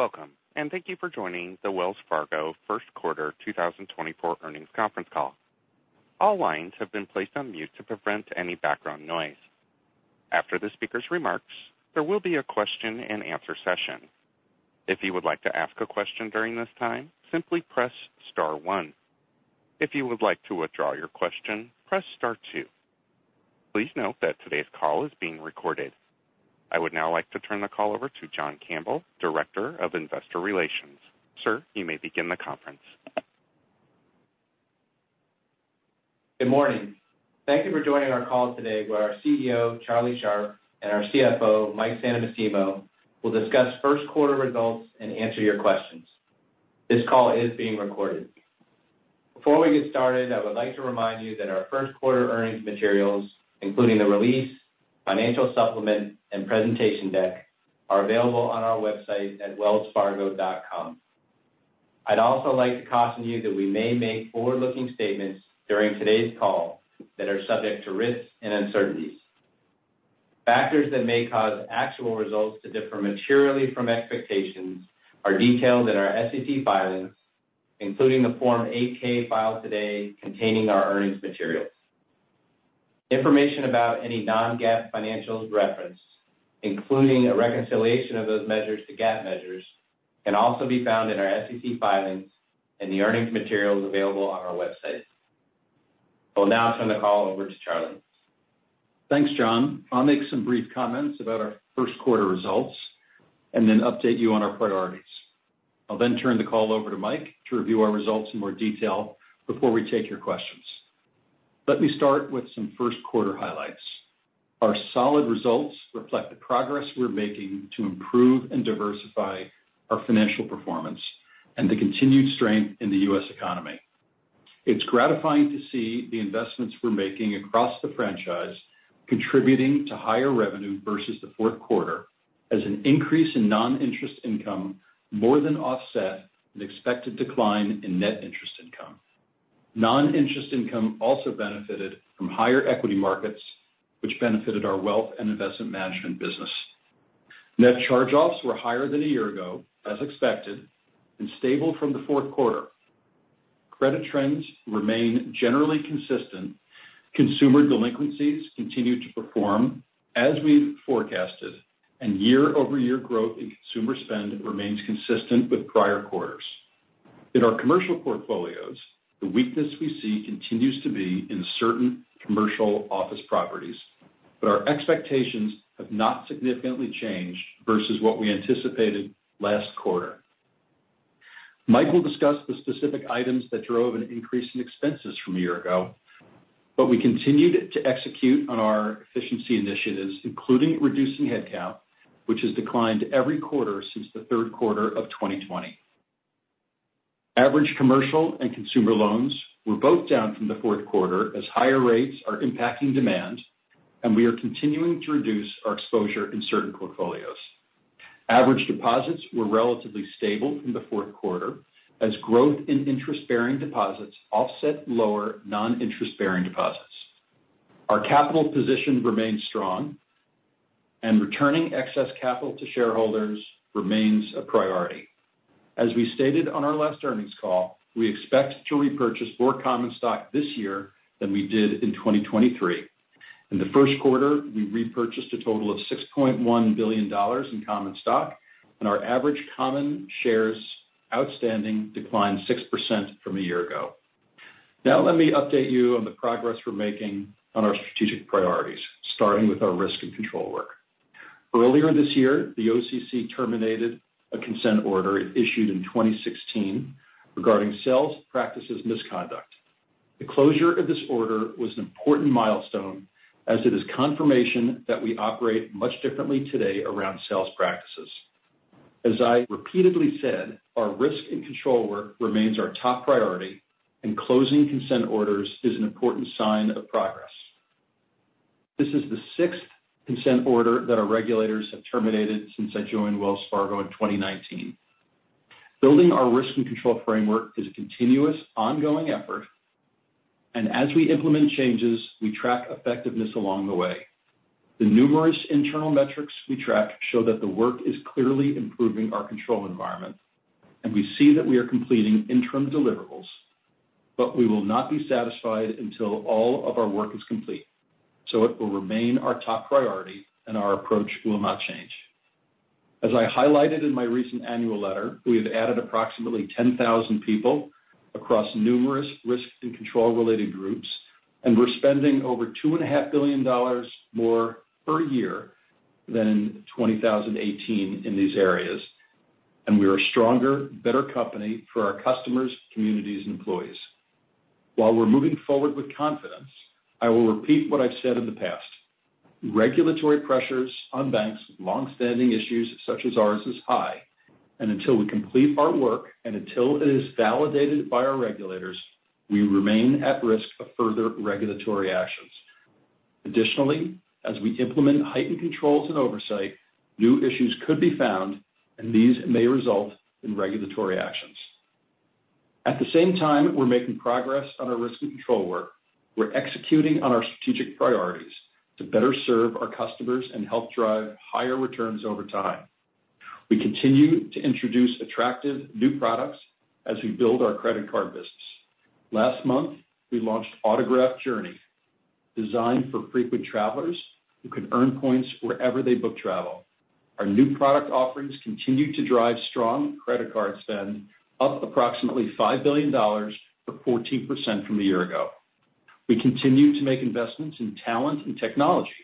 Welcome, and thank you for joining the Wells Fargo first quarter 2024 earnings conference call. All lines have been placed on mute to prevent any background noise. After the speaker's remarks, there will be a question-and-answer session. If you would like to ask a question during this time, simply press star one. If you would like to withdraw your question, press star two. Please note that today's call is being recorded. I would now like to turn the call over to John Campbell, Director of Investor Relations. Sir, you may begin the conference. Good morning. Thank you for joining our call today where our CEO, Charlie Scharf, and our CFO, Mike Santomassimo, will discuss first quarter results and answer your questions. This call is being recorded. Before we get started, I would like to remind you that our first quarter earnings materials, including the release, financial supplement, and presentation deck, are available on our website at wellsfargo.com. I'd also like to caution you that we may make forward-looking statements during today's call that are subject to risks and uncertainties. Factors that may cause actual results to differ materially from expectations are detailed in our SEC filings, including the Form 8-K filed today containing our earnings materials. Information about any non-GAAP financials referenced, including a reconciliation of those measures to GAAP measures, can also be found in our SEC filings and the earnings materials available on our website. I will now turn the call over to Charlie. Thanks, John. I'll make some brief comments about our first quarter results and then update you on our priorities. I'll then turn the call over to Mike to review our results in more detail before we take your questions. Let me start with some first quarter highlights. Our solid results reflect the progress we're making to improve and diversify our financial performance and the continued strength in the U.S. economy. It's gratifying to see the investments we're making across the franchise contributing to higher revenue versus the fourth quarter as an increase in non-interest income more than offset an expected decline in net interest income. Non-interest income also benefited from higher equity markets, which benefited our wealth and investment management business. Net charge-offs were higher than a year ago, as expected, and stable from the fourth quarter. Credit trends remain generally consistent. Consumer delinquencies continue to perform as we've forecasted, and year-over-year growth in consumer spend remains consistent with prior quarters. In our commercial portfolios, the weakness we see continues to be in certain commercial office properties, but our expectations have not significantly changed versus what we anticipated last quarter. Mike will discuss the specific items that drove an increase in expenses from a year ago, but we continued to execute on our efficiency initiatives, including reducing headcount, which has declined every quarter since the third quarter of 2020. Average commercial and consumer loans were both down from the fourth quarter as higher rates are impacting demand, and we are continuing to reduce our exposure in certain portfolios. Average deposits were relatively stable from the fourth quarter as growth in interest-bearing deposits offset lower non-interest-bearing deposits. Our capital position remains strong, and returning excess capital to shareholders remains a priority. As we stated on our last earnings call, we expect to repurchase more common stock this year than we did in 2023. In the first quarter, we repurchased a total of $6.1 billion in common stock, and our average common shares outstanding declined 6% from a year ago. Now let me update you on the progress we're making on our strategic priorities, starting with our risk and control work. Earlier this year, the OCC terminated a consent order it issued in 2016 regarding sales practices misconduct. The closure of this order was an important milestone as it is confirmation that we operate much differently today around sales practices. As I repeatedly said, our risk and control work remains our top priority, and closing consent orders is an important sign of progress. This is the sixth consent order that our regulators have terminated since I joined Wells Fargo in 2019. Building our risk and control framework is a continuous, ongoing effort, and as we implement changes, we track effectiveness along the way. The numerous internal metrics we track show that the work is clearly improving our control environment, and we see that we are completing interim deliverables, but we will not be satisfied until all of our work is complete, so it will remain our top priority, and our approach will not change. As I highlighted in my recent annual letter, we have added approximately 10,000 people across numerous risk and control-related groups, and we're spending over $2.5 billion more per year than in 2018 in these areas, and we are a stronger, better company for our customers, communities, and employees. While we're moving forward with confidence, I will repeat what I've said in the past: regulatory pressures on banks with longstanding issues such as ours is high, and until we complete our work and until it is validated by our regulators, we remain at risk of further regulatory actions. Additionally, as we implement heightened controls and oversight, new issues could be found, and these may result in regulatory actions. At the same time, we're making progress on our risk and control work. We're executing on our strategic priorities to better serve our customers and help drive higher returns over time. We continue to introduce attractive new products as we build our credit card business. Last month, we launched Autograph Journey, designed for frequent travelers who can earn points wherever they book travel. Our new product offerings continue to drive strong credit card spend up approximately $5 billion for 14% from a year ago. We continue to make investments in talent and technology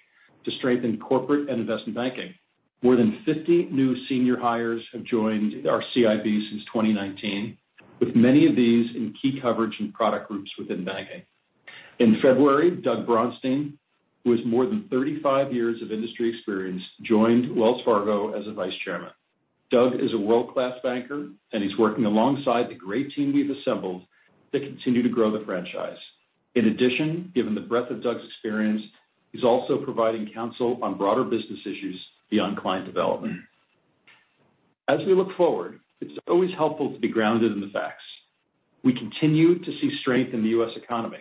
to strengthen corporate and investment banking. More than 50 new senior hires have joined our CIB since 2019, with many of these in key coverage and product groups within banking. In February, Doug Braunstein, who has more than 35 years of industry experience, joined Wells Fargo as a Vice Chairman. Doug is a world-class banker, and he's working alongside the great team we've assembled to continue to grow the franchise. In addition, given the breadth of Doug's experience, he's also providing counsel on broader business issues beyond client development. As we look forward, it's always helpful to be grounded in the facts. We continue to see strength in the U.S. economy.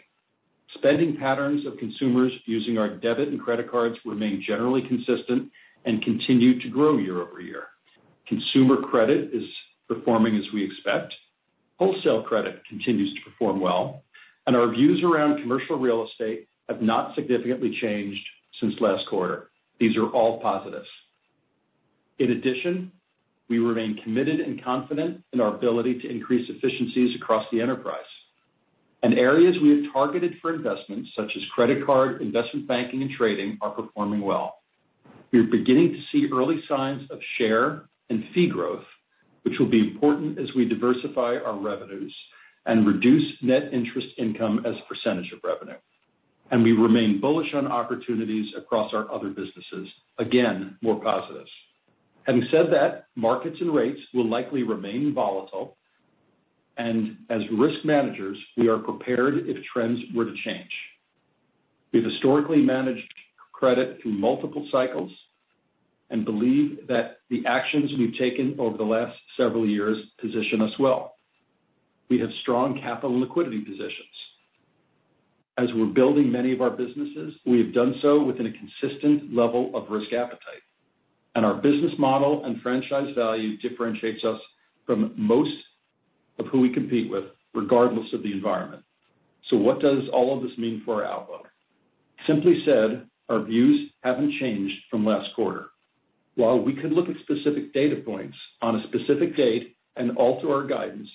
Spending patterns of consumers using our debit and credit cards remain generally consistent and continue to grow year-over-year. Consumer credit is performing as we expect. Wholesale credit continues to perform well, and our views around commercial real estate have not significantly changed since last quarter. These are all positives. In addition, we remain committed and confident in our ability to increase efficiencies across the enterprise, and areas we have targeted for investments, such as credit card, investment banking, and trading, are performing well. We are beginning to see early signs of share and fee growth, which will be important as we diversify our revenues and reduce net interest income as a percentage of revenue, and we remain bullish on opportunities across our other businesses. Again, more positives. Having said that, markets and rates will likely remain volatile, and as risk managers, we are prepared if trends were to change. We've historically managed credit through multiple cycles and believe that the actions we've taken over the last several years position us well. We have strong capital and liquidity positions. As we're building many of our businesses, we have done so within a consistent level of risk appetite, and our business model and franchise value differentiates us from most of who we compete with regardless of the environment. So what does all of this mean for our outlook? Simply said, our views haven't changed from last quarter. While we could look at specific data points on a specific date and alter our guidance,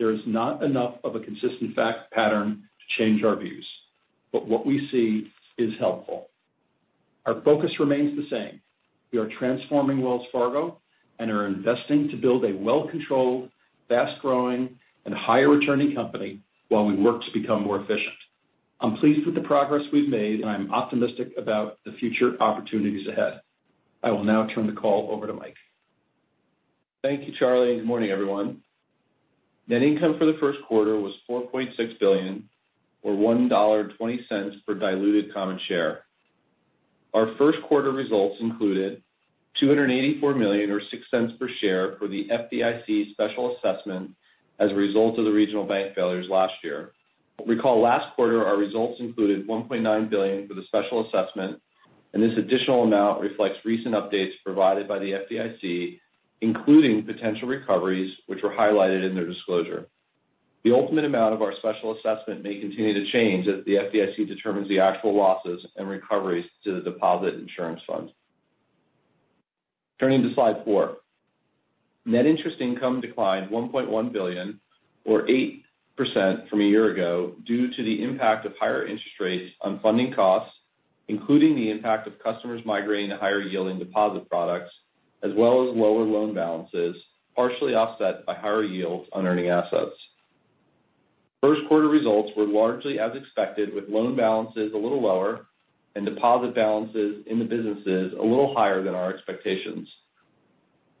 there is not enough of a consistent fact pattern to change our views, but what we see is helpful. Our focus remains the same. We are transforming Wells Fargo and are investing to build a well-controlled, fast-growing, and higher-returning company while we work to become more efficient. I'm pleased with the progress we've made, and I'm optimistic about the future opportunities ahead. I will now turn the call over to Mike. Thank you, Charlie. Good morning, everyone. Net income for the first quarter was $4.6 billion, or $1.20, per diluted common share. Our first quarter results included $284 million, or $0.06 per share for the FDIC special assessment as a result of the regional bank failures last year. Recall last quarter, our results included $1.9 billion for the special assessment, and this additional amount reflects recent updates provided by the FDIC, including potential recoveries, which were highlighted in their disclosure. The ultimate amount of our special assessment may continue to change as the FDIC determines the actual losses and recoveries to the Deposit Insurance Fund. Turning to slide four, net interest income declined $1.1 billion, or 8%, from a year ago due to the impact of higher interest rates on funding costs, including the impact of customers migrating to higher-yielding deposit products, as well as lower loan balances partially offset by higher yields on earning assets. First quarter results were largely as expected, with loan balances a little lower and deposit balances in the businesses a little higher than our expectations.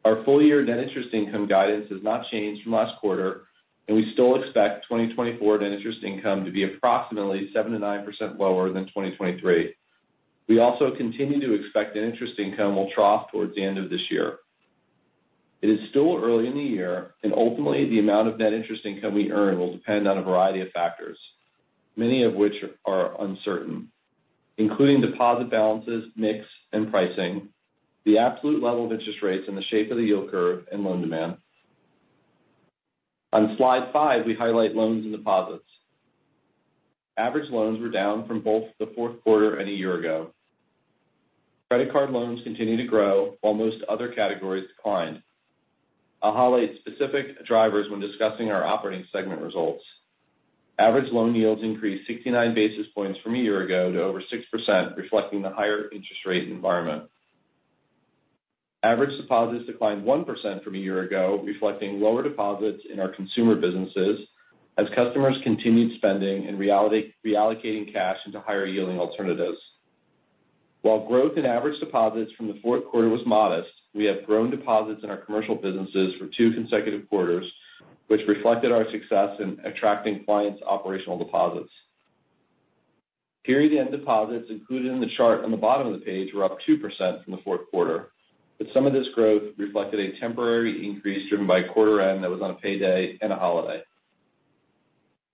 Our full-year net interest income guidance has not changed from last quarter, and we still expect 2024 net interest income to be approximately 7%-9% lower than 2023. We also continue to expect net interest income will trough towards the end of this year. It is still early in the year, and ultimately, the amount of net interest income we earn will depend on a variety of factors, many of which are uncertain, including deposit balances, mix, and pricing, the absolute level of interest rates, and the shape of the yield curve and loan demand. On slide 5, we highlight loans and deposits. Average loans were down from both the fourth quarter and a year ago. Credit card loans continue to grow while most other categories declined. I'll highlight specific drivers when discussing our operating segment results. Average loan yields increased 69 basis points from a year ago to over 6%, reflecting the higher interest rate environment. Average deposits declined 1% from a year ago, reflecting lower deposits in our consumer businesses as customers continued spending and reallocating cash into higher-yielding alternatives. While growth in average deposits from the fourth quarter was modest, we have grown deposits in our commercial businesses for two consecutive quarters, which reflected our success in attracting clients' operational deposits. Period-end deposits included in the chart on the bottom of the page were up 2% from the fourth quarter, but some of this growth reflected a temporary increase driven by quarter-end that was on a payday and a holiday.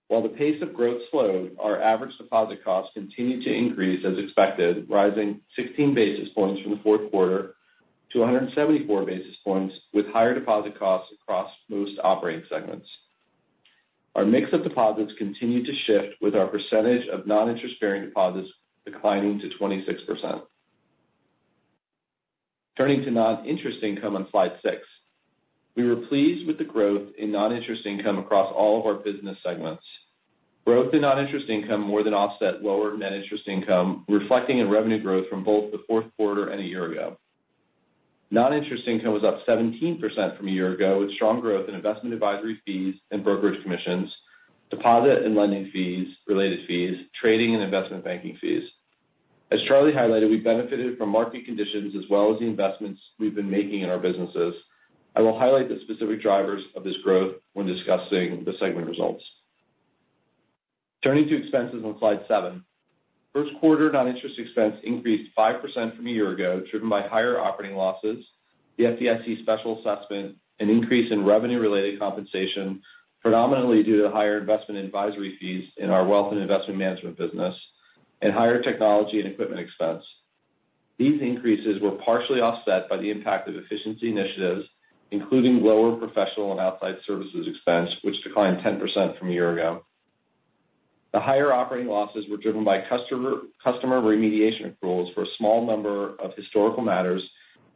While the pace of growth slowed, our average deposit costs continued to increase as expected, rising 16 basis points from the fourth quarter to 174 basis points, with higher deposit costs across most operating segments. Our mix of deposits continued to shift, with our percentage of non-interest-bearing deposits declining to 26%. Turning to non-interest income on slide 6, we were pleased with the growth in non-interest income across all of our business segments. Growth in non-interest income more than offset lower net interest income, resulting in revenue growth from both the fourth quarter and a year ago. Non-interest income was up 17% from a year ago, with strong growth in investment advisory fees and brokerage commissions, deposit and lending fees, related fees, trading, and investment banking fees. As Charlie highlighted, we benefited from market conditions as well as the investments we've been making in our businesses. I will highlight the specific drivers of this growth when discussing the segment results. Turning to expenses on slide seven, first quarter non-interest expense increased 5% from a year ago, driven by higher operating losses, the FDIC special assessment, an increase in revenue-related compensation, predominantly due to the higher investment advisory fees in our wealth and investment management business, and higher technology and equipment expense. These increases were partially offset by the impact of efficiency initiatives, including lower professional and outside services expense, which declined 10% from a year ago. The higher operating losses were driven by customer remediation rules for a small number of historical matters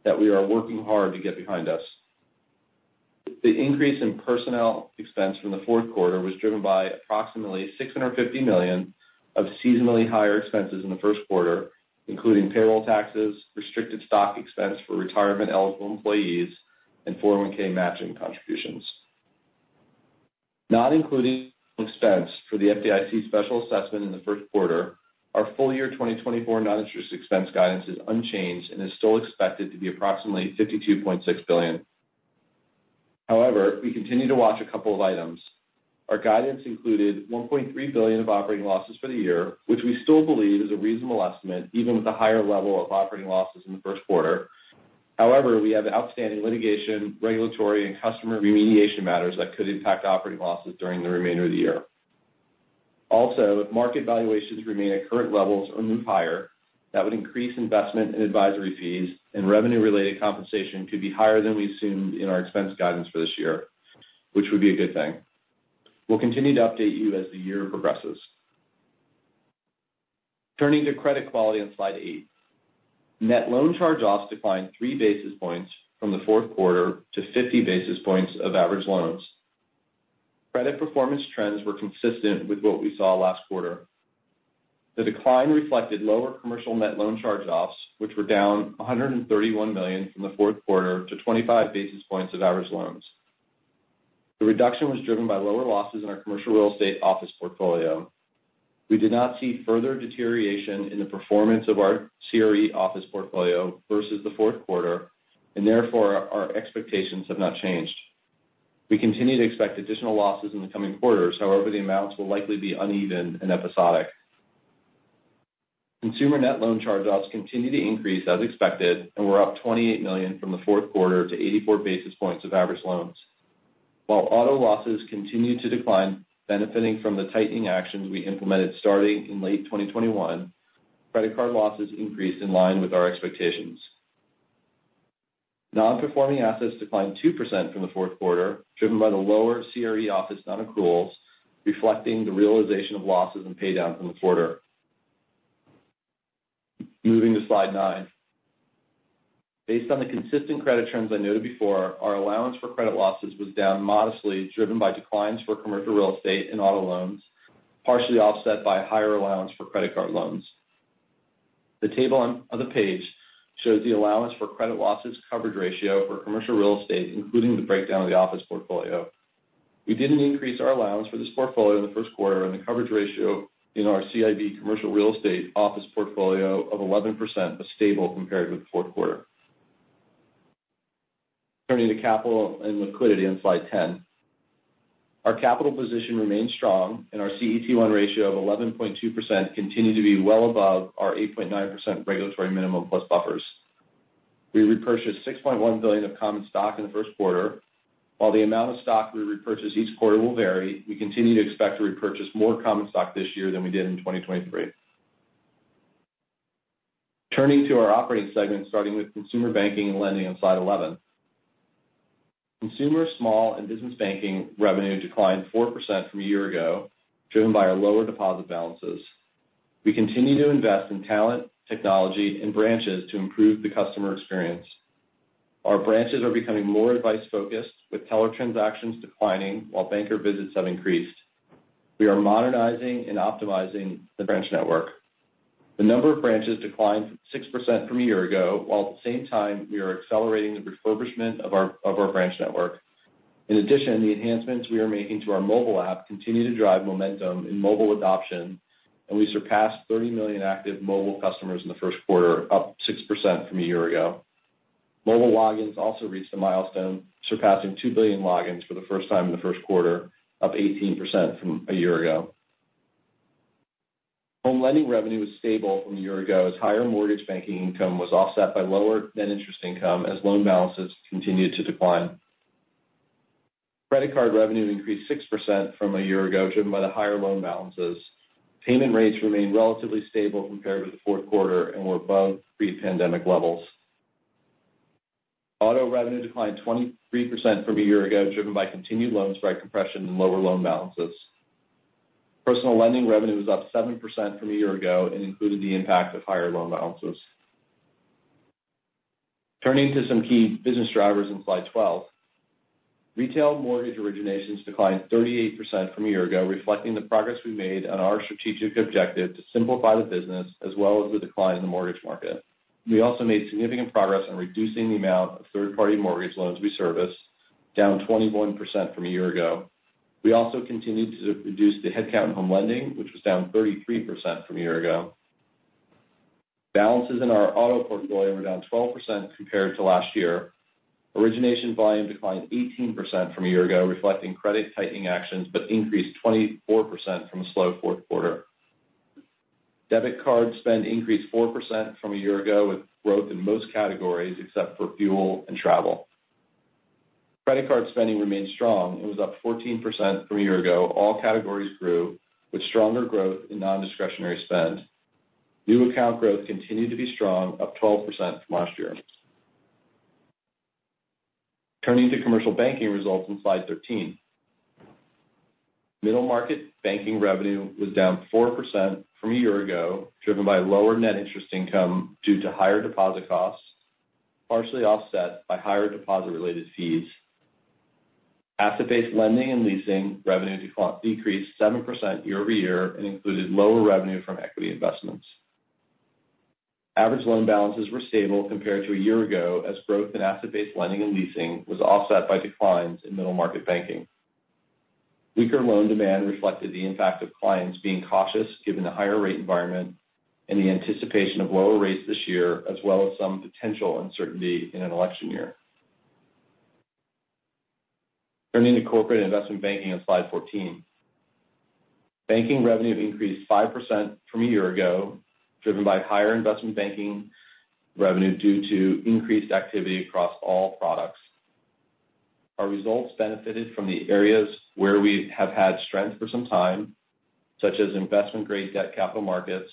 that we are working hard to get behind us. The increase in personnel expense from the fourth quarter was driven by approximately $650 million of seasonally higher expenses in the first quarter, including payroll taxes, restricted stock expense for retirement-eligible employees, and 401(k) matching contributions. Not including expense for the FDIC special assessment in the first quarter, our full-year 2024 non-interest expense guidance is unchanged and is still expected to be approximately $52.6 billion. However, we continue to watch a couple of items. Our guidance included $1.3 billion of operating losses for the year, which we still believe is a reasonable estimate, even with a higher level of operating losses in the first quarter. However, we have outstanding litigation, regulatory, and customer remediation matters that could impact operating losses during the remainder of the year. Also, if market valuations remain at current levels or move higher, that would increase investment and advisory fees, and revenue-related compensation could be higher than we assumed in our expense guidance for this year, which would be a good thing. We'll continue to update you as the year progresses. Turning to credit quality on slide eight, net loan charge-offs declined three basis points from the fourth quarter to 50 basis points of average loans. Credit performance trends were consistent with what we saw last quarter. The decline reflected lower commercial net loan charge-offs, which were down $131 million from the fourth quarter to 25 basis points of average loans. The reduction was driven by lower losses in our commercial real estate office portfolio. We did not see further deterioration in the performance of our CRE office portfolio versus the fourth quarter, and therefore, our expectations have not changed. We continue to expect additional losses in the coming quarters. However, the amounts will likely be uneven and episodic. Consumer net loan charge-offs continue to increase as expected, and we're up $28 million from the fourth quarter to 84 basis points of average loans. While auto losses continue to decline, benefiting from the tightening actions we implemented starting in late 2021, credit card losses increased in line with our expectations. Non-performing assets declined 2% from the fourth quarter, driven by the lower CRE office non-accruals, reflecting the realization of losses and paydowns in the quarter. Moving to slide 9, based on the consistent credit trends I noted before, our allowance for credit losses was down modestly, driven by declines for commercial real estate and auto loans, partially offset by higher allowance for credit card loans. The table on the page shows the allowance for credit losses coverage ratio for commercial real estate, including the breakdown of the office portfolio. We didn't increase our allowance for this portfolio in the first quarter, and the coverage ratio in our CIB commercial real estate office portfolio of 11% was stable compared with the fourth quarter. Turning to capital and liquidity on slide 10, our capital position remained strong, and our CET1 ratio of 11.2% continued to be well above our 8.9% regulatory minimum plus buffers. We repurchased $6.1 billion of common stock in the first quarter. While the amount of stock we repurchase each quarter will vary, we continue to expect to repurchase more common stock this year than we did in 2023. Turning to our operating segment, starting with consumer banking and lending on slide 11, consumer small and business banking revenue declined 4% from a year ago, driven by our lower deposit balances. We continue to invest in talent, technology, and branches to improve the customer experience. Our branches are becoming more advice-focused, with teller transactions declining while banker visits have increased. We are modernizing and optimizing the branch network. The number of branches declined 6% from a year ago, while at the same time, we are accelerating the refurbishment of our branch network. In addition, the enhancements we are making to our mobile app continue to drive momentum in mobile adoption, and we surpassed 30 million active mobile customers in the first quarter, up 6% from a year ago. Mobile logins also reached a milestone, surpassing 2 billion logins for the first time in the first quarter, up 18% from a year ago. Home lending revenue was stable from a year ago as higher mortgage banking income was offset by lower net interest income as loan balances continued to decline. Credit card revenue increased 6% from a year ago, driven by the higher loan balances. Payment rates remained relatively stable compared with the fourth quarter and were above pre-pandemic levels. Auto revenue declined 23% from a year ago, driven by continued loan spread compression and lower loan balances. Personal lending revenue was up 7% from a year ago and included the impact of higher loan balances. Turning to some key business drivers on slide 12, retail mortgage originations declined 38% from a year ago, reflecting the progress we made on our strategic objective to simplify the business as well as the decline in the mortgage market. We also made significant progress on reducing the amount of third-party mortgage loans we serviced, down 21% from a year ago. We also continued to reduce the headcount in home lending, which was down 33% from a year ago. Balances in our auto portfolio were down 12% compared to last year. Origination volume declined 18% from a year ago, reflecting credit tightening actions but increased 24% from a slow fourth quarter. Debit card spend increased 4% from a year ago, with growth in most categories except for fuel and travel. Credit card spending remained strong and was up 14% from a year ago. All categories grew, with stronger growth in non-discretionary spend. New account growth continued to be strong, up 12% from last year. Turning to commercial banking results on slide 13, middle market banking revenue was down 4% from a year ago, driven by lower net interest income due to higher deposit costs, partially offset by higher deposit-related fees. Asset-based lending and leasing revenue decreased 7% year-over-year and included lower revenue from equity investments. Average loan balances were stable compared to a year ago as growth in asset-based lending and leasing was offset by declines in middle market banking. Weaker loan demand reflected the impact of clients being cautious given the higher-rate environment and the anticipation of lower rates this year, as well as some potential uncertainty in an election year. Turning to corporate investment banking on slide 14, banking revenue increased 5% from a year ago, driven by higher investment banking revenue due to increased activity across all products. Our results benefited from the areas where we have had strength for some time, such as investment-grade debt capital markets,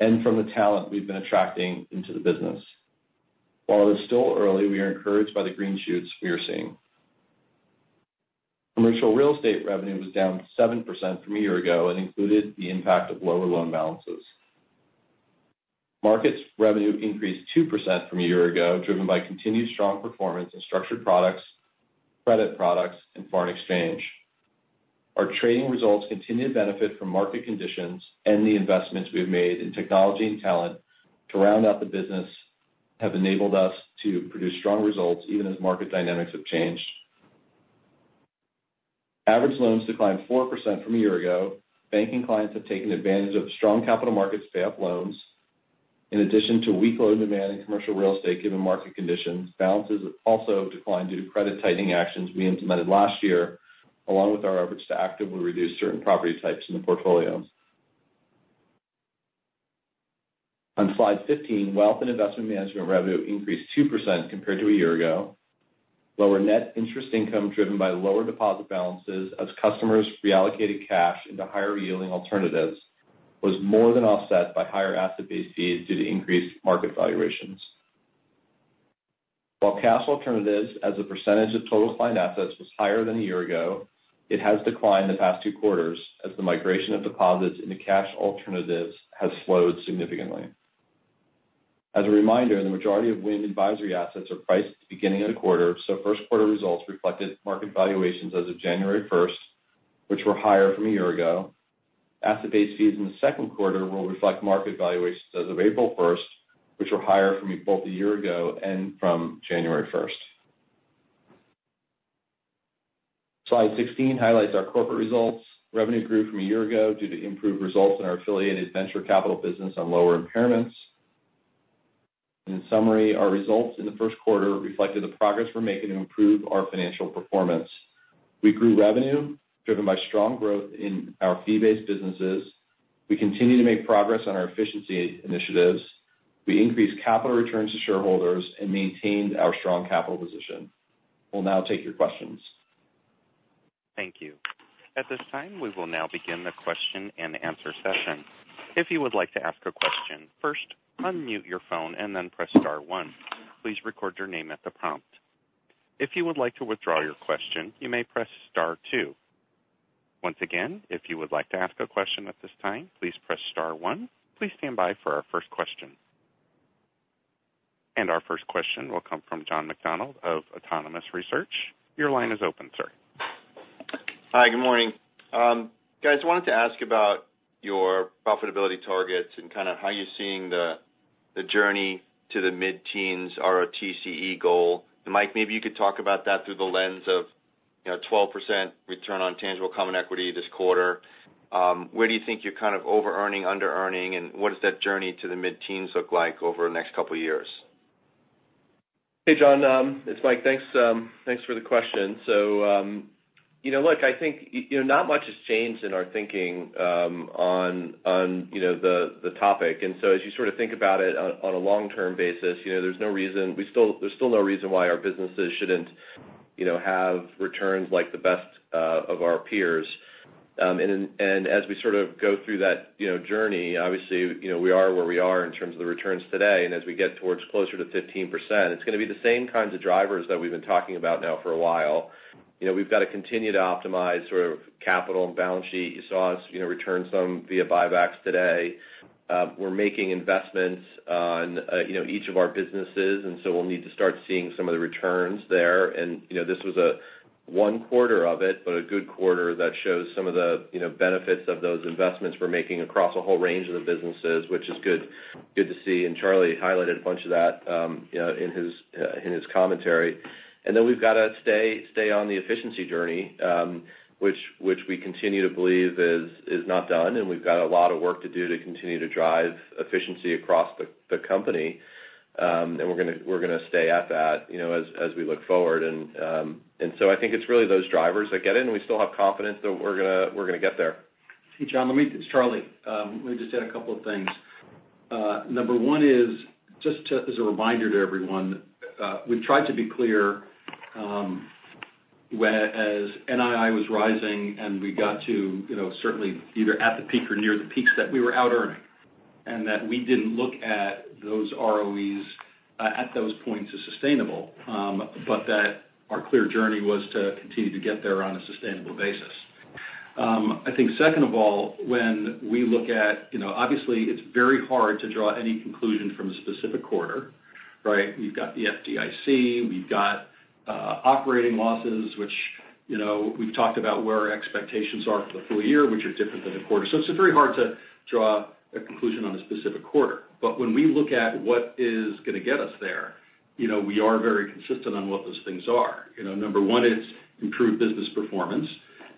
and from the talent we've been attracting into the business. While it is still early, we are encouraged by the green shoots we are seeing. Commercial real estate revenue was down 7% from a year ago and included the impact of lower loan balances. Market revenue increased 2% from a year ago, driven by continued strong performance in structured products, credit products, and foreign exchange. Our trading results continue to benefit from market conditions, and the investments we have made in technology and talent to round out the business have enabled us to produce strong results even as market dynamics have changed. Average loans declined 4% from a year ago. Banking clients have taken advantage of strong capital markets payoff loans. In addition to weak loan demand in commercial real estate given market conditions, balances also have declined due to credit tightening actions we implemented last year, along with our efforts to actively reduce certain property types in the portfolio. On slide 15, wealth and investment management revenue increased 2% compared to a year ago. Lower net interest income driven by lower deposit balances as customers reallocated cash into higher-yielding alternatives was more than offset by higher asset-based fees due to increased market valuations. While cash alternatives, as a percentage of total client assets, was higher than a year ago, it has declined the past two quarters as the migration of deposits into cash alternatives has slowed significantly. As a reminder, the majority of WIM advisory assets are priced at the beginning of the quarter, so first quarter results reflected market valuations as of January 1st, which were higher from a year ago. Asset-based fees in the second quarter will reflect market valuations as of April 1st, which were higher from both a year ago and from January 1st. Slide 16 highlights our corporate results. Revenue grew from a year ago due to improved results in our affiliated venture capital business on lower impairments. And in summary, our results in the first quarter reflected the progress we're making to improve our financial performance. We grew revenue driven by strong growth in our fee-based businesses. We continue to make progress on our efficiency initiatives. We increased capital returns to shareholders and maintained our strong capital position. We'll now take your questions. Thank you. At this time, we will now begin the question-and-answer session. If you would like to ask a question, first, unmute your phone and then press star one. Please record your name at the prompt. If you would like to withdraw your question, you may press star two. Once again, if you would like to ask a question at this time, please press star one. Please stand by for our first question. Our first question will come from John McDonald of Autonomous Research. Your line is open, sir. Hi. Good morning. Guys, I wanted to ask about your profitability targets and kind of how you're seeing the journey to the mid-teens ROTCE goal. Mike, maybe you could talk about that through the lens of 12% return on tangible common equity this quarter. Where do you think you're kind of over-earning, under-earning, and what does that journey to the mid-teens look like over the next couple of years? Hey, John. It's Mike. Thanks for the question. So look, I think not much has changed in our thinking on the topic. And so as you sort of think about it on a long-term basis, there's no reason there's still no reason why our businesses shouldn't have returns like the best of our peers. And as we sort of go through that journey, obviously, we are where we are in terms of the returns today. And as we get towards closer to 15%, it's going to be the same kinds of drivers that we've been talking about now for a while. We've got to continue to optimize sort of capital and balance sheet. You saw us return some via buybacks today. We're making investments on each of our businesses, and so we'll need to start seeing some of the returns there. This was one quarter of it, but a good quarter that shows some of the benefits of those investments we're making across a whole range of the businesses, which is good to see. Charlie highlighted a bunch of that in his commentary. Then we've got to stay on the efficiency journey, which we continue to believe is not done. We've got a lot of work to do to continue to drive efficiency across the company, and we're going to stay at that as we look forward. So I think it's really those drivers that get in, and we still have confidence that we're going to get there. Hey, John. Charlie, let me just add a couple of things. Number one is, just as a reminder to everyone, we've tried to be clear as NII was rising, and we got to certainly either at the peak or near the peaks that we were out-earning. And that we didn't look at those ROEs at those points as sustainable, but that our clear journey was to continue to get there on a sustainable basis. I think second of all, when we look at obviously, it's very hard to draw any conclusion from a specific quarter, right? We've got the FDIC. We've got operating losses, which we've talked about where our expectations are for the full year, which are different than the quarter. So it's very hard to draw a conclusion on a specific quarter. But when we look at what is going to get us there, we are very consistent on what those things are. Number one, it's improved business performance.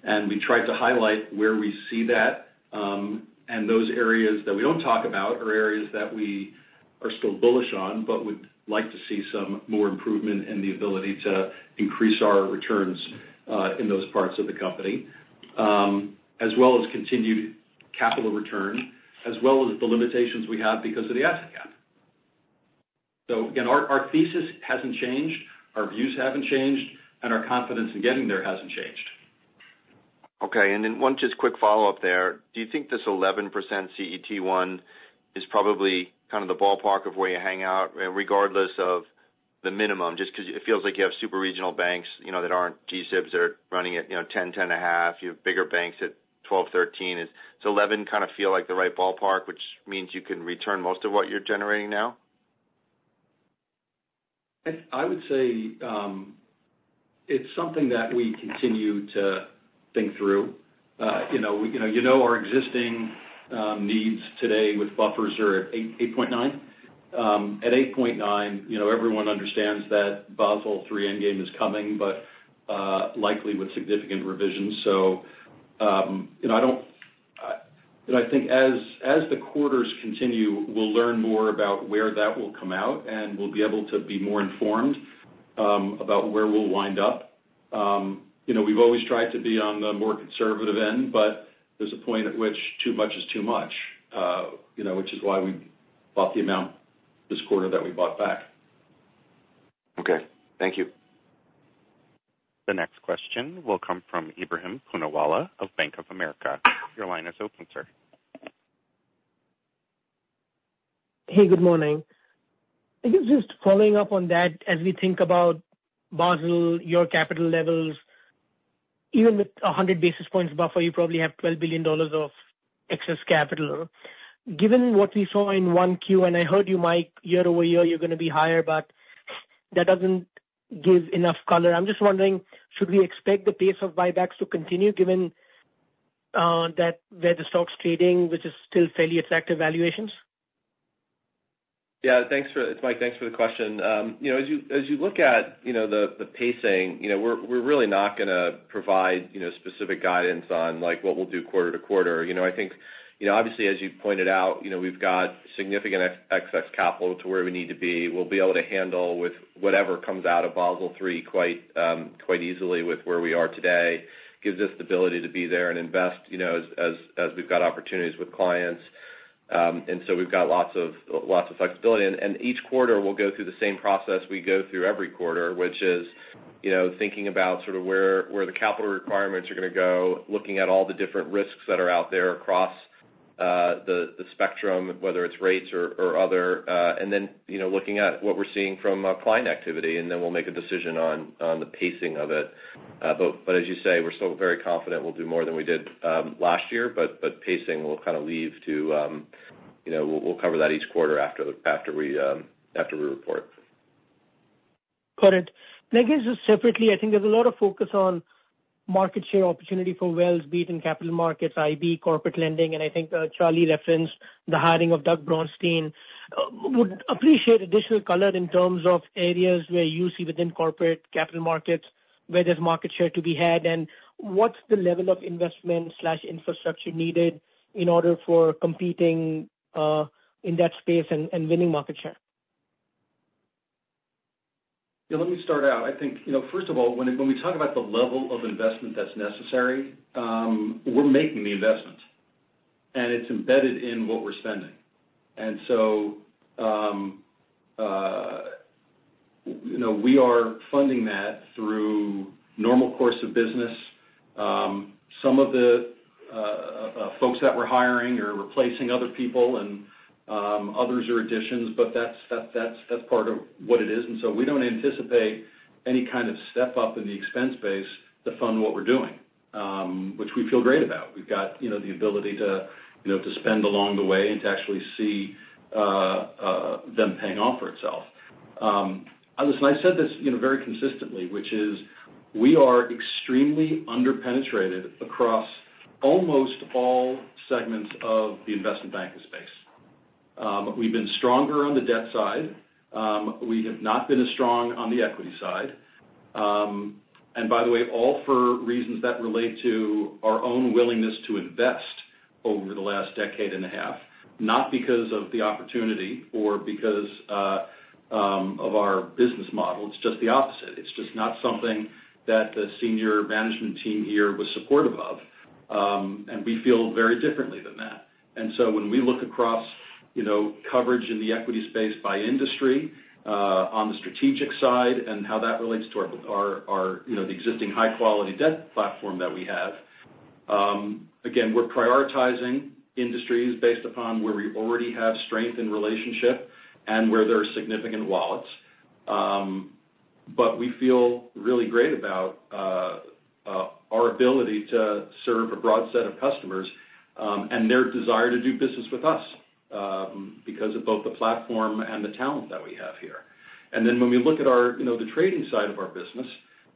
And we tried to highlight where we see that, and those areas that we don't talk about are areas that we are still bullish on but would like to see some more improvement in the ability to increase our returns in those parts of the company, as well as continued capital return, as well as the limitations we have because of the asset cap. So again, our thesis hasn't changed. Our views haven't changed, and our confidence in getting there hasn't changed. Okay. And then one just quick follow-up there. Do you think this 11% CET1 is probably kind of the ballpark of where you hang out regardless of the minimum? Just because it feels like you have super regional banks that aren't G-SIBs that are running at 10, 10.5. You have bigger banks at 12, 13. Does 11 kind of feel like the right ballpark, which means you can return most of what you're generating now? I would say it's something that we continue to think through. You know, our existing needs today with buffers are at 8.9. At 8.9, everyone understands that Basel III Endgame is coming, but likely with significant revisions. So I don't and I think as the quarters continue, we'll learn more about where that will come out, and we'll be able to be more informed about where we'll wind up. We've always tried to be on the more conservative end, but there's a point at which too much is too much, which is why we bought the amount this quarter that we bought back. Okay. Thank you. The next question will come from Ebrahim Poonawala of Bank of America. Your line is open, sir. Hey, good morning. I guess just following up on that, as we think about Basel, your capital levels, even with 100 basis points buffer, you probably have $12 billion of excess capital. Given what we saw in 1Q and I heard you, Mike, year-over-year, you're going to be higher, but that doesn't give enough color. I'm just wondering, should we expect the pace of buybacks to continue given where the stock's trading, which is still fairly attractive valuations? Yeah. It's Mike. Thanks for the question. As you look at the pacing, we're really not going to provide specific guidance on what we'll do quarter to quarter. I think, obviously, as you pointed out, we've got significant excess capital to where we need to be. We'll be able to handle with whatever comes out of Basel III quite easily with where we are today. It gives us the ability to be there and invest as we've got opportunities with clients. And so we've got lots of flexibility. And each quarter, we'll go through the same process we go through every quarter, which is thinking about sort of where the capital requirements are going to go, looking at all the different risks that are out there across the spectrum, whether it's rates or other, and then looking at what we're seeing from client activity. And then we'll make a decision on the pacing of it. But as you say, we're still very confident we'll do more than we did last year, but pacing will kind of leave to we'll cover that each quarter after we report. Got it. I guess just separately, I think there's a lot of focus on market share opportunity for Wells Fargo and capital markets, IB, corporate lending. I think Charlie referenced the hiring of Doug Braunstein. I would appreciate additional color in terms of areas where you see within corporate capital markets where there's market share to be had, and what's the level of investment/infrastructure needed in order for competing in that space and winning market share? Yeah. Let me start out. I think, first of all, when we talk about the level of investment that's necessary, we're making the investment, and it's embedded in what we're spending. And so we are funding that through normal course of business. Some of the folks that we're hiring are replacing other people, and others are additions, but that's part of what it is. And so we don't anticipate any kind of step up in the expense base to fund what we're doing, which we feel great about. We've got the ability to spend along the way and to actually see them paying off for itself. Listen, I said this very consistently, which is we are extremely underpenetrated across almost all segments of the investment banking space. We've been stronger on the debt side. We have not been as strong on the equity side. By the way, all for reasons that relate to our own willingness to invest over the last decade and a half, not because of the opportunity or because of our business model. It's just the opposite. It's just not something that the senior management team here was supportive of. And we feel very differently than that. And so when we look across coverage in the equity space by industry on the strategic side and how that relates to the existing high-quality debt platform that we have, again, we're prioritizing industries based upon where we already have strength in relationship and where there are significant wallets. But we feel really great about our ability to serve a broad set of customers and their desire to do business with us because of both the platform and the talent that we have here. Then when we look at the trading side of our business,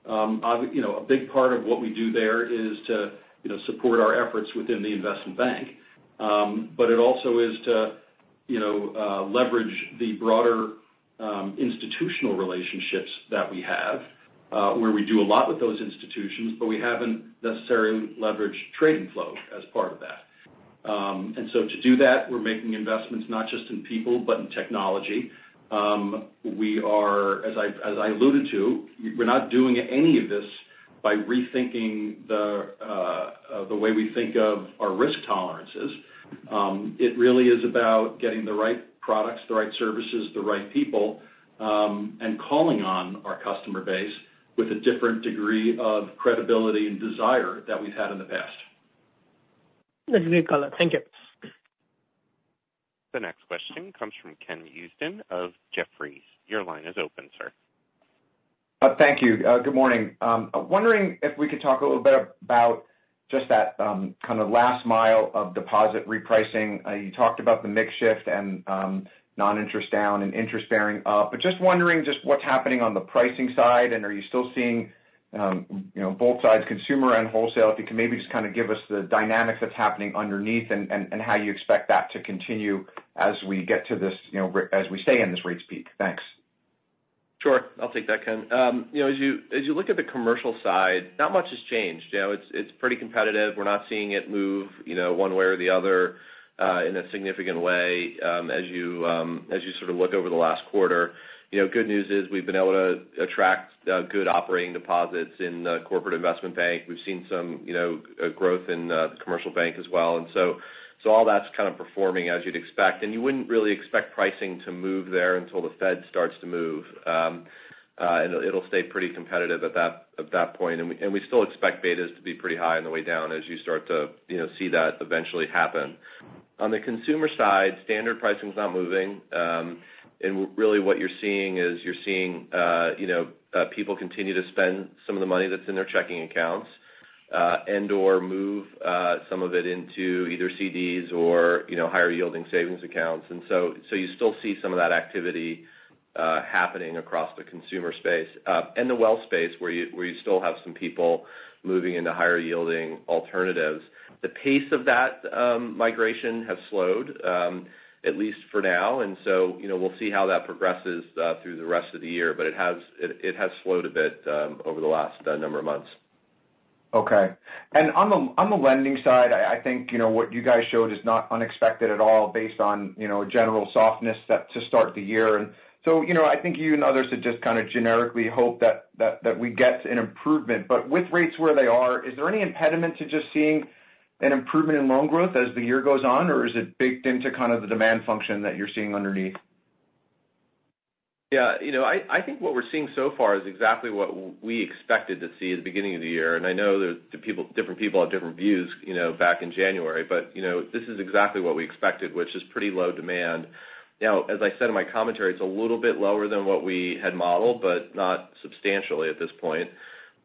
a big part of what we do there is to support our efforts within the investment bank, but it also is to leverage the broader institutional relationships that we have where we do a lot with those institutions, but we haven't necessarily leveraged trading flow as part of that. So to do that, we're making investments not just in people but in technology. As I alluded to, we're not doing any of this by rethinking the way we think of our risk tolerances. It really is about getting the right products, the right services, the right people, and calling on our customer base with a different degree of credibility and desire that we've had in the past. That's a great color. Thank you. The next question comes from Ken Usdin of Jefferies. Your line is open, sir. Thank you. Good morning. Wondering if we could talk a little bit about just that kind of last mile of deposit repricing. You talked about the mix shift and non-interest down and interest bearing up, but just wondering just what's happening on the pricing side, and are you still seeing both sides, consumer and wholesale? If you can maybe just kind of give us the dynamics that's happening underneath and how you expect that to continue as we get to this as we stay in this rates peak. Thanks. Sure. I'll take that, Ken. As you look at the commercial side, not much has changed. It's pretty competitive. We're not seeing it move one way or the other in a significant way as you sort of look over the last quarter. Good news is we've been able to attract good operating deposits in the corporate investment bank. We've seen some growth in the commercial bank as well. And so all that's kind of performing as you'd expect. And you wouldn't really expect pricing to move there until the Fed starts to move. And it'll stay pretty competitive at that point. And we still expect betas to be pretty high on the way down as you start to see that eventually happen. On the consumer side, standard pricing's not moving. Really, what you're seeing is you're seeing people continue to spend some of the money that's in their checking accounts and/or move some of it into either CDs or higher-yielding savings accounts. So you still see some of that activity happening across the consumer space and the wealth space where you still have some people moving into higher-yielding alternatives. The pace of that migration has slowed, at least for now. So we'll see how that progresses through the rest of the year, but it has slowed a bit over the last number of months. Okay. And on the lending side, I think what you guys showed is not unexpected at all based on general softness to start the year. And so I think you and others had just kind of generically hoped that we'd get an improvement. But with rates where they are, is there any impediment to just seeing an improvement in loan growth as the year goes on, or is it baked into kind of the demand function that you're seeing underneath? Yeah. I think what we're seeing so far is exactly what we expected to see at the beginning of the year. And I know different people have different views back in January, but this is exactly what we expected, which is pretty low demand. Now, as I said in my commentary, it's a little bit lower than what we had modeled, but not substantially at this point.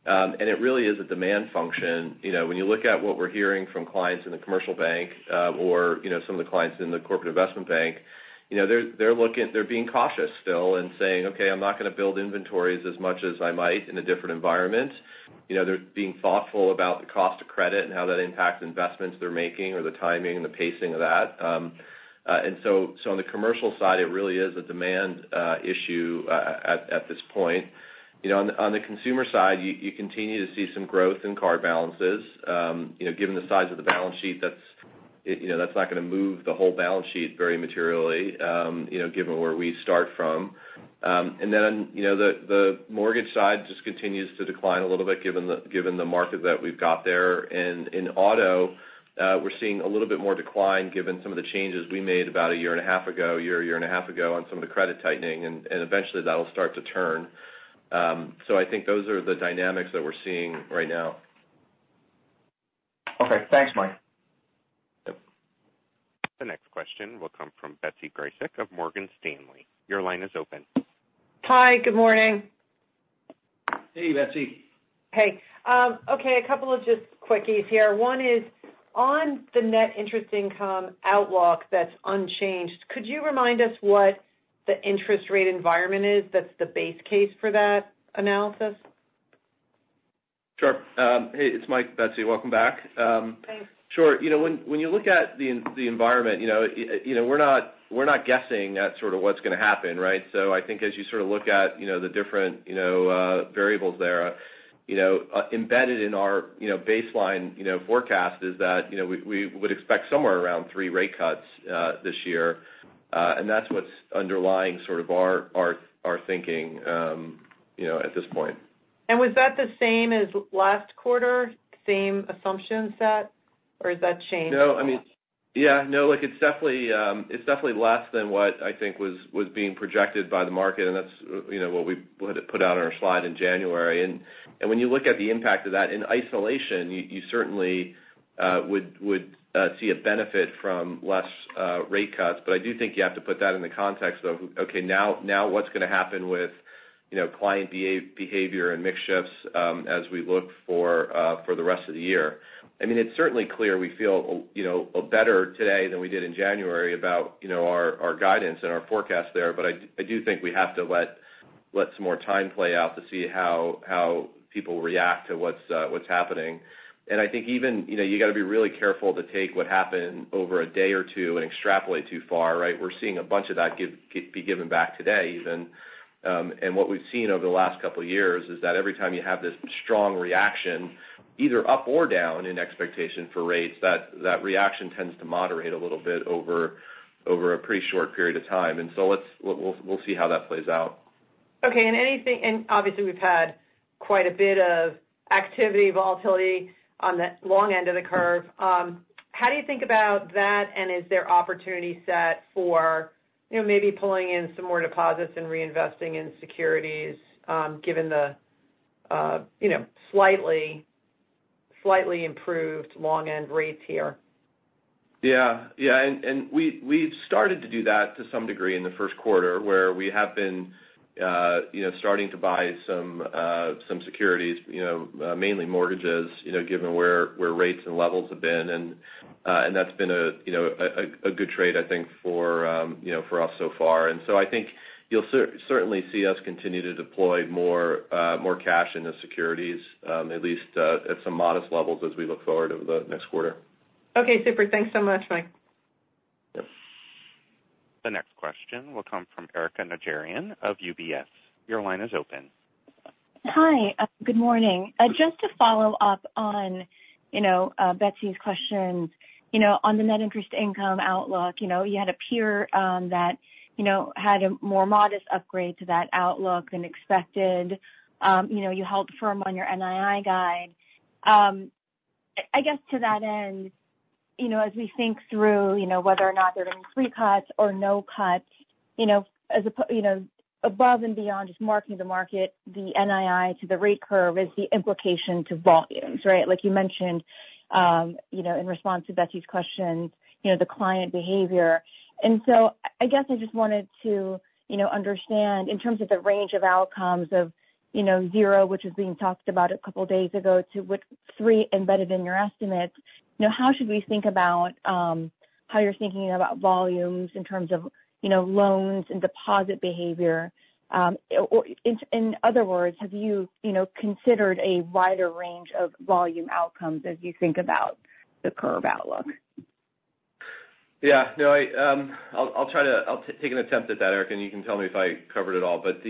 And it really is a demand function. When you look at what we're hearing from clients in the commercial bank or some of the clients in the corporate investment bank, they're being cautious still and saying, "Okay. I'm not going to build inventories as much as I might in a different environment." They're being thoughtful about the cost of credit and how that impacts investments they're making or the timing and the pacing of that. On the commercial side, it really is a demand issue at this point. On the consumer side, you continue to see some growth in card balances. Given the size of the balance sheet, that's not going to move the whole balance sheet very materially given where we start from. The mortgage side just continues to decline a little bit given the market that we've got there. In auto, we're seeing a little bit more decline given some of the changes we made about a year and a half ago, year, year and a half ago on some of the credit tightening. Eventually, that'll start to turn. I think those are the dynamics that we're seeing right now. Okay. Thanks, Mike. Yep. The next question will come from Betsy Graseck of Morgan Stanley. Your line is open. Hi. Good morning. Hey, Betsy. Hey. Okay. A couple of just quickies here. One is on the net interest income outlook that's unchanged. Could you remind us what the interest rate environment is that's the base case for that analysis? Sure. Hey, it's Mike, Betsy. Welcome back. Thanks. Sure. When you look at the environment, we're not guessing at sort of what's going to happen, right? So I think as you sort of look at the different variables there, embedded in our baseline forecast is that we would expect somewhere around three rate cuts this year. And that's what's underlying sort of our thinking at this point. Was that the same as last quarter, same assumption set, or has that changed? No. I mean, yeah. No. It's definitely less than what I think was being projected by the market, and that's what we had put out on our slide in January. And when you look at the impact of that in isolation, you certainly would see a benefit from less rate cuts. But I do think you have to put that in the context of, "Okay. Now, what's going to happen with client behavior and mix shifts as we look for the rest of the year?" I mean, it's certainly clear we feel better today than we did in January about our guidance and our forecast there. But I do think we have to let some more time play out to see how people react to what's happening. I think even you got to be really careful to take what happened over a day or two and extrapolate too far, right? We're seeing a bunch of that be given back today even. What we've seen over the last couple of years is that every time you have this strong reaction, either up or down in expectation for rates, that reaction tends to moderate a little bit over a pretty short period of time. So we'll see how that plays out. Okay. Obviously, we've had quite a bit of activity, volatility on the long end of the curve. How do you think about that, and is there opportunity set for maybe pulling in some more deposits and reinvesting in securities given the slightly improved long-end rates here? Yeah. Yeah. We've started to do that to some degree in the first quarter where we have been starting to buy some securities, mainly mortgages, given where rates and levels have been. That's been a good trade, I think, for us so far. So I think you'll certainly see us continue to deploy more cash into securities, at least at some modest levels as we look forward over the next quarter. Okay. Super. Thanks so much, Mike. Yep. The next question will come from Erika Najarian of UBS. Your line is open. Hi. Good morning. Just to follow up on Betsy's questions on the net interest income outlook, you had a peer that had a more modest upgrade to that outlook than expected. You held firm on your NII guide. I guess to that end, as we think through whether or not there are going to be three cuts or no cuts, above and beyond just marking the market, the NII to the rate curve is the implication to volumes, right? Like you mentioned in response to Betsy's questions, the client behavior. And so I guess I just wanted to understand in terms of the range of outcomes of zero, which was being talked about a couple of days ago, to three embedded in your estimates, how should we think about how you're thinking about volumes in terms of loans and deposit behavior? In other words, have you considered a wider range of volume outcomes as you think about the curve outlook? Yeah. No. I'll take an attempt at that, Erika, and you can tell me if I covered it all. But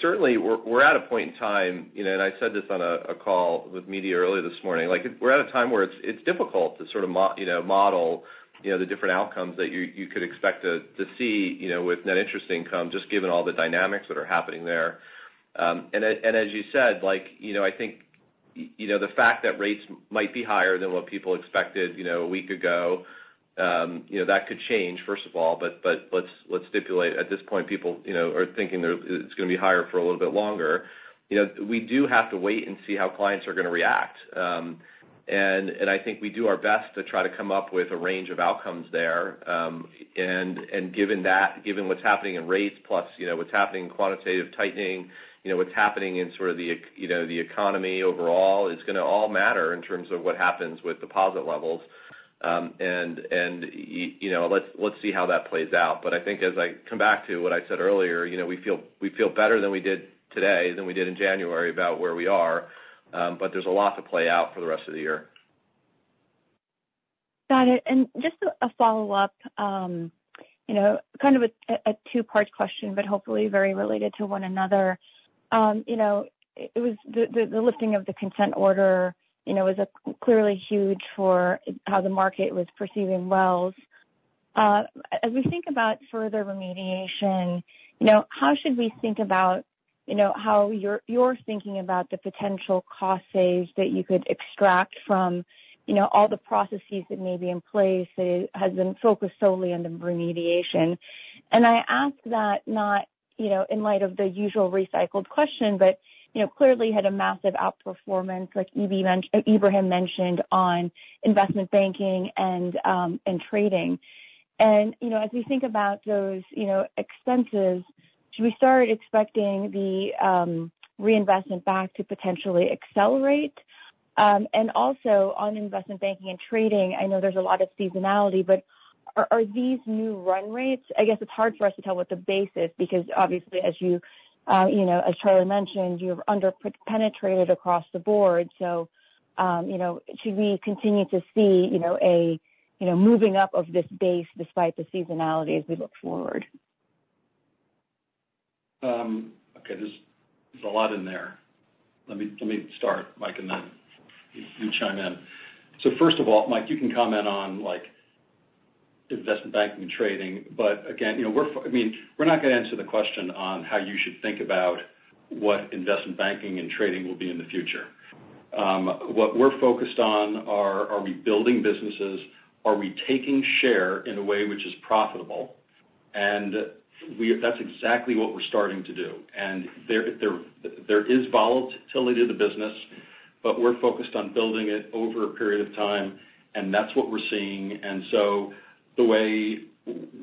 certainly, we're at a point in time, and I said this on a call with media earlier this morning. We're at a time where it's difficult to sort of model the different outcomes that you could expect to see with net interest income just given all the dynamics that are happening there. And as you said, I think the fact that rates might be higher than what people expected a week ago, that could change, first of all. But let's stipulate, at this point, people are thinking it's going to be higher for a little bit longer. We do have to wait and see how clients are going to react. And I think we do our best to try to come up with a range of outcomes there. Given what's happening in rates plus what's happening in quantitative tightening, what's happening in sort of the economy overall, it's going to all matter in terms of what happens with deposit levels. Let's see how that plays out. I think as I come back to what I said earlier, we feel better than we did today, than we did in January, about where we are. There's a lot to play out for the rest of the year. Got it. And just a follow-up, kind of a two-part question, but hopefully very related to one another. The lifting of the consent order was clearly huge for how the market was perceiving Wells. As we think about further remediation, how should we think about how you're thinking about the potential cost saves that you could extract from all the processes that may be in place that has been focused solely on the remediation? And I ask that not in light of the usual recycled question, but clearly had a massive outperformance, like Ebrahim mentioned, on investment banking and trading. And as we think about those expenses, should we start expecting the reinvestment back to potentially accelerate? And also, on investment banking and trading, I know there's a lot of seasonality, but are these new run rates? I guess it's hard for us to tell what the base is because, obviously, as Charlie mentioned, you've penetrated across the board. So should we continue to see a moving up of this base despite the seasonality as we look forward? Okay. There's a lot in there. Let me start, Mike, and then you chime in. So first of all, Mike, you can comment on investment banking and trading. But again, I mean, we're not going to answer the question on how you should think about what investment banking and trading will be in the future. What we're focused on are we building businesses? Are we taking share in a way which is profitable? And that's exactly what we're starting to do. And there is volatility to the business, but we're focused on building it over a period of time. And that's what we're seeing. And so the way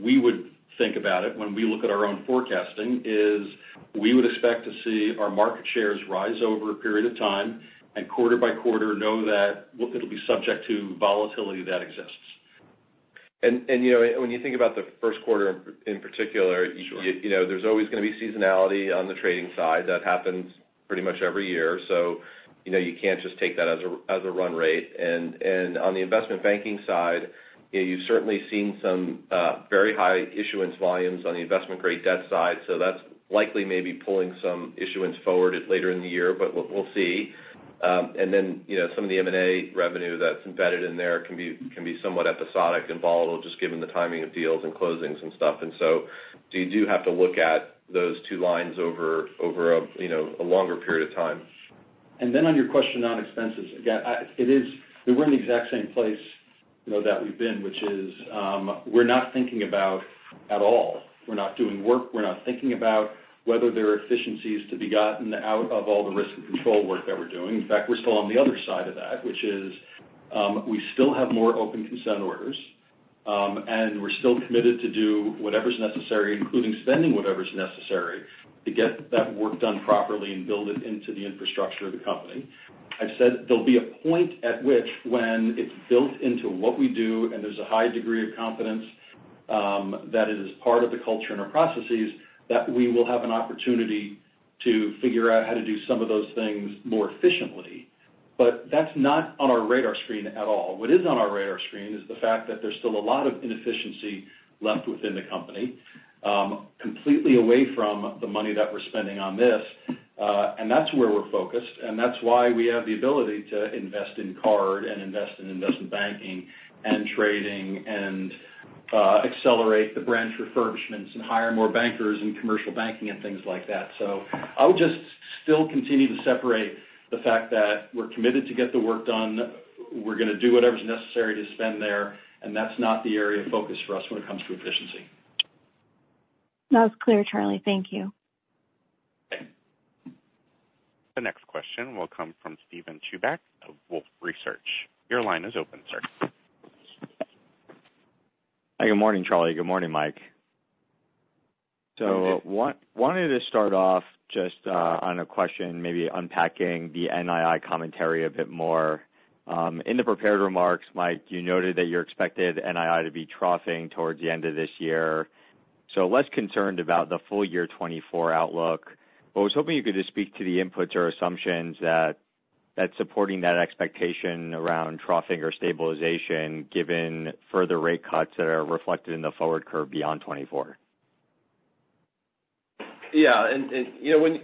we would think about it when we look at our own forecasting is we would expect to see our market shares rise over a period of time and quarter by quarter know that it'll be subject to volatility that exists. And when you think about the first quarter in particular, there's always going to be seasonality on the trading side. That happens pretty much every year. So you can't just take that as a run rate. And on the investment banking side, you've certainly seen some very high issuance volumes on the investment-grade debt side. So that's likely maybe pulling some issuance forward later in the year, but we'll see. And then some of the M&A revenue that's embedded in there can be somewhat episodic and volatile just given the timing of deals and closings and stuff. And so you do have to look at those two lines over a longer period of time. And then on your question on expenses, again, we're in the exact same place that we've been, which is we're not thinking about it at all. We're not doing work. We're not thinking about whether there are efficiencies to be gotten out of all the risk and control work that we're doing. In fact, we're still on the other side of that, which is we still have more open consent orders, and we're still committed to do whatever's necessary, including spending whatever's necessary to get that work done properly and build it into the infrastructure of the company. I've said there'll be a point at which when it's built into what we do and there's a high degree of confidence that it is part of the culture and our processes, that we will have an opportunity to figure out how to do some of those things more efficiently. But that's not on our radar screen at all. What is on our radar screen is the fact that there's still a lot of inefficiency left within the company, completely away from the money that we're spending on this. And that's where we're focused. And that's why we have the ability to invest in card and invest in investment banking and trading and accelerate the branch refurbishments and hire more bankers and commercial banking and things like that. So I would just still continue to separate the fact that we're committed to get the work done. We're going to do whatever's necessary to spend there. And that's not the area of focus for us when it comes to efficiency. That was clear, Charlie. Thank you. Okay. The next question will come from Steven Chubak of Wolfe Research. Your line is open, sir. Hey. Good morning, Charlie. Good morning, Mike. So I wanted to start off just on a question, maybe unpacking the NII commentary a bit more. In the prepared remarks, Mike, you noted that you're expected NII to be troughing towards the end of this year. So less concerned about the full year 2024 outlook, but I was hoping you could just speak to the inputs or assumptions that's supporting that expectation around troughing or stabilization given further rate cuts that are reflected in the forward curve beyond 2024. Yeah.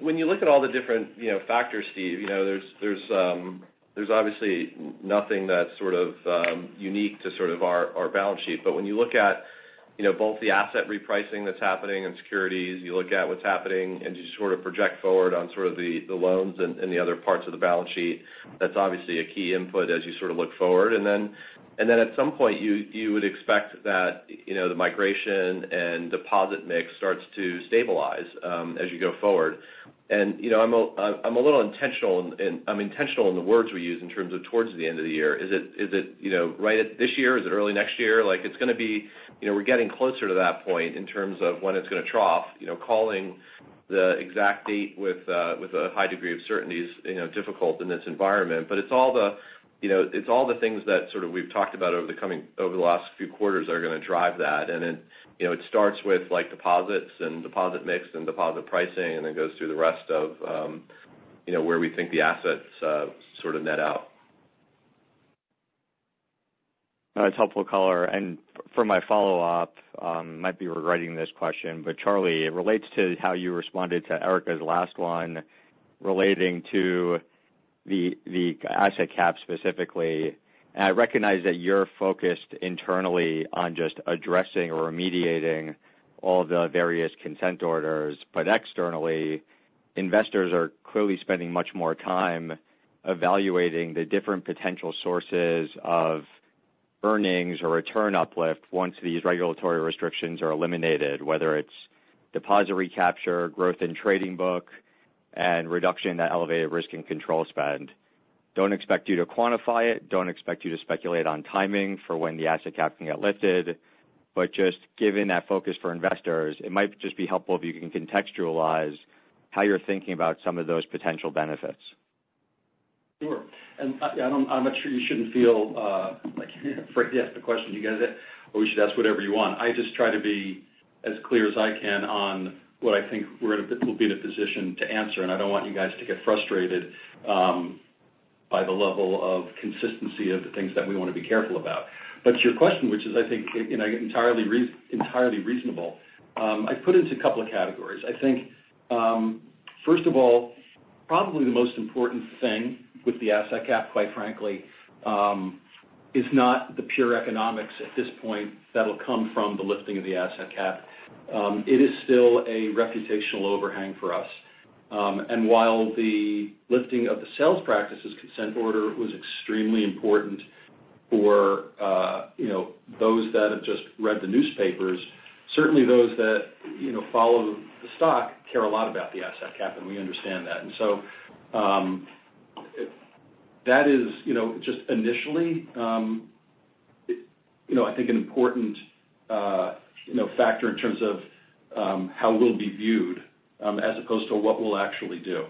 When you look at all the different factors, Steve, there's obviously nothing that's sort of unique to sort of our balance sheet. But when you look at both the asset repricing that's happening and securities, you look at what's happening, and you sort of project forward on sort of the loans and the other parts of the balance sheet, that's obviously a key input as you sort of look forward. Then at some point, you would expect that the migration and deposit mix starts to stabilize as you go forward. And I'm a little intentional in the words we use in terms of towards the end of the year. Is it right at this year? Is it early next year? It's going to be we're getting closer to that point in terms of when it's going to trough. Calling the exact date with a high degree of certainty is difficult in this environment. But it's all the things that sort of we've talked about over the last few quarters that are going to drive that. And it starts with deposits and deposit mix and deposit pricing, and then goes through the rest of where we think the assets sort of net out. That's helpful color. For my follow-up, I might be rewriting this question, but Charlie, it relates to how you responded to Erika's last one relating to the asset cap specifically. I recognize that you're focused internally on just addressing or remediating all the various consent orders. But externally, investors are clearly spending much more time evaluating the different potential sources of earnings or return uplift once these regulatory restrictions are eliminated, whether it's deposit recapture, growth in trading book, and reduction in that elevated risk and control spend. Don't expect you to quantify it. Don't expect you to speculate on timing for when the asset cap can get lifted. Just given that focus for investors, it might just be helpful if you can contextualize how you're thinking about some of those potential benefits. Sure. I'm not sure you shouldn't feel afraid to ask the question you guys had, or you should ask whatever you want. I just try to be as clear as I can on what I think we'll be in a position to answer. I don't want you guys to get frustrated by the level of consistency of the things that we want to be careful about. Your question, which is, I think, entirely reasonable, I put into a couple of categories. I think, first of all, probably the most important thing with the asset cap, quite frankly, is not the pure economics at this point that'll come from the lifting of the asset cap. It is still a reputational overhang for us. While the lifting of the sales practices consent order was extremely important for those that have just read the newspapers, certainly those that follow the stock care a lot about the asset cap, and we understand that. So that is just initially, I think, an important factor in terms of how we'll be viewed as opposed to what we'll actually do.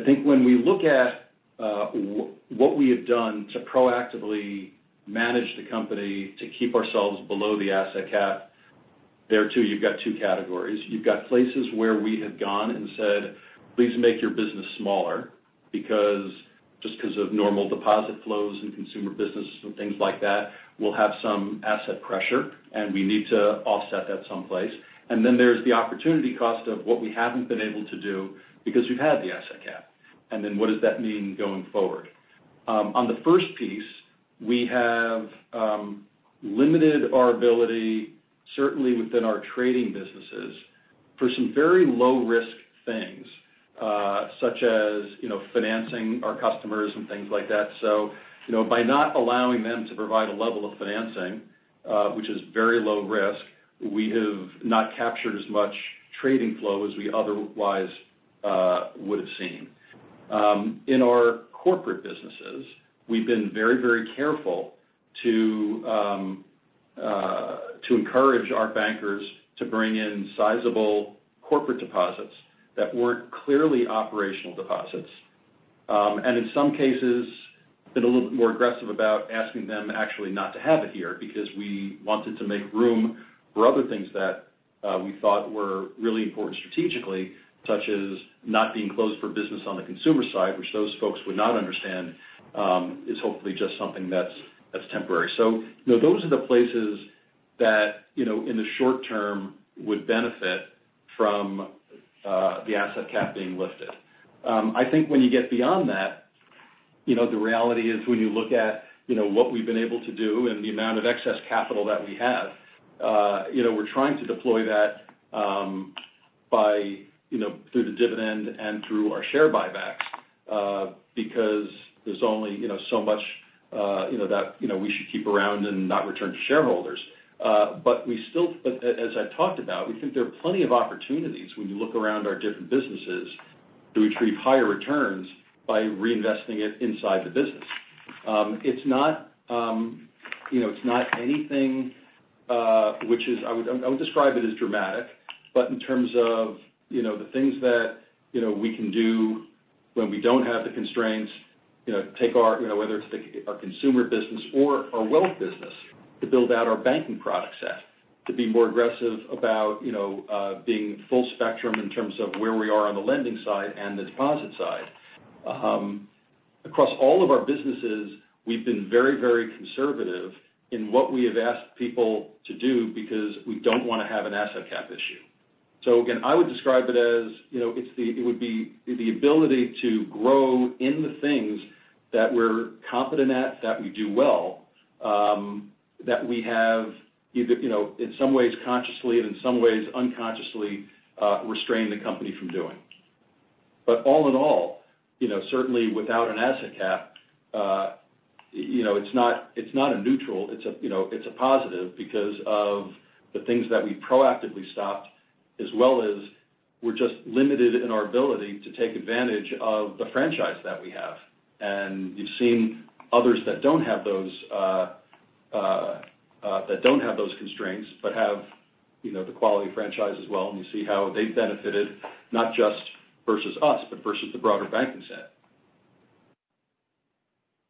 I think when we look at what we have done to proactively manage the company to keep ourselves below the asset cap, there too, you've got two categories. You've got places where we have gone and said, "Please make your business smaller," just because of normal deposit flows and consumer businesses and things like that, we'll have some asset pressure, and we need to offset that someplace. Then there's the opportunity cost of what we haven't been able to do because we've had the asset cap. And then what does that mean going forward? On the first piece, we have limited our ability, certainly within our trading businesses, for some very low-risk things such as financing our customers and things like that. So by not allowing them to provide a level of financing, which is very low risk, we have not captured as much trading flow as we otherwise would have seen. In our corporate businesses, we've been very, very careful to encourage our bankers to bring in sizable corporate deposits that weren't clearly operational deposits. And in some cases, been a little bit more aggressive about asking them actually not to have it here because we wanted to make room for other things that we thought were really important strategically, such as not being closed for business on the consumer side, which those folks would not understand is hopefully just something that's temporary. So those are the places that, in the short term, would benefit from the asset cap being lifted. I think when you get beyond that, the reality is when you look at what we've been able to do and the amount of excess capital that we have, we're trying to deploy that through the dividend and through our share buybacks because there's only so much that we should keep around and not return to shareholders. But as I've talked about, we think there are plenty of opportunities when you look around our different businesses to retrieve higher returns by reinvesting it inside the business. It's not anything which is, I would describe it as, dramatic, but in terms of the things that we can do when we don't have the constraints. Take our, whether it's our consumer business or our wealth business, to build out our banking product set, to be more aggressive about being full spectrum in terms of where we are on the lending side and the deposit side. Across all of our businesses, we've been very, very conservative in what we have asked people to do because we don't want to have an asset cap issue. So again, I would describe it as it would be the ability to grow in the things that we're competent at, that we do well, that we have either in some ways consciously and in some ways unconsciously restrained the company from doing. But all in all, certainly without an asset cap, it's not a neutral. It's a positive because of the things that we proactively stopped, as well as we're just limited in our ability to take advantage of the franchise that we have. And you've seen others that don't have those that don't have those constraints but have the quality franchise as well, and you see how they've benefited not just versus us but versus the broader banking set.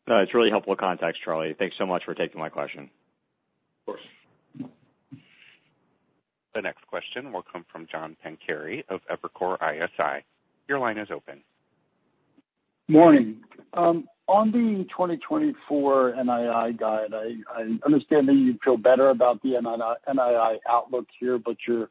It's really helpful context, Charlie. Thanks so much for taking my question. Of course. The next question will come from John Pancari of Evercore ISI. Your line is open. Morning. On the 2024 NII guide, I understand that you feel better about the NII outlook here, but you're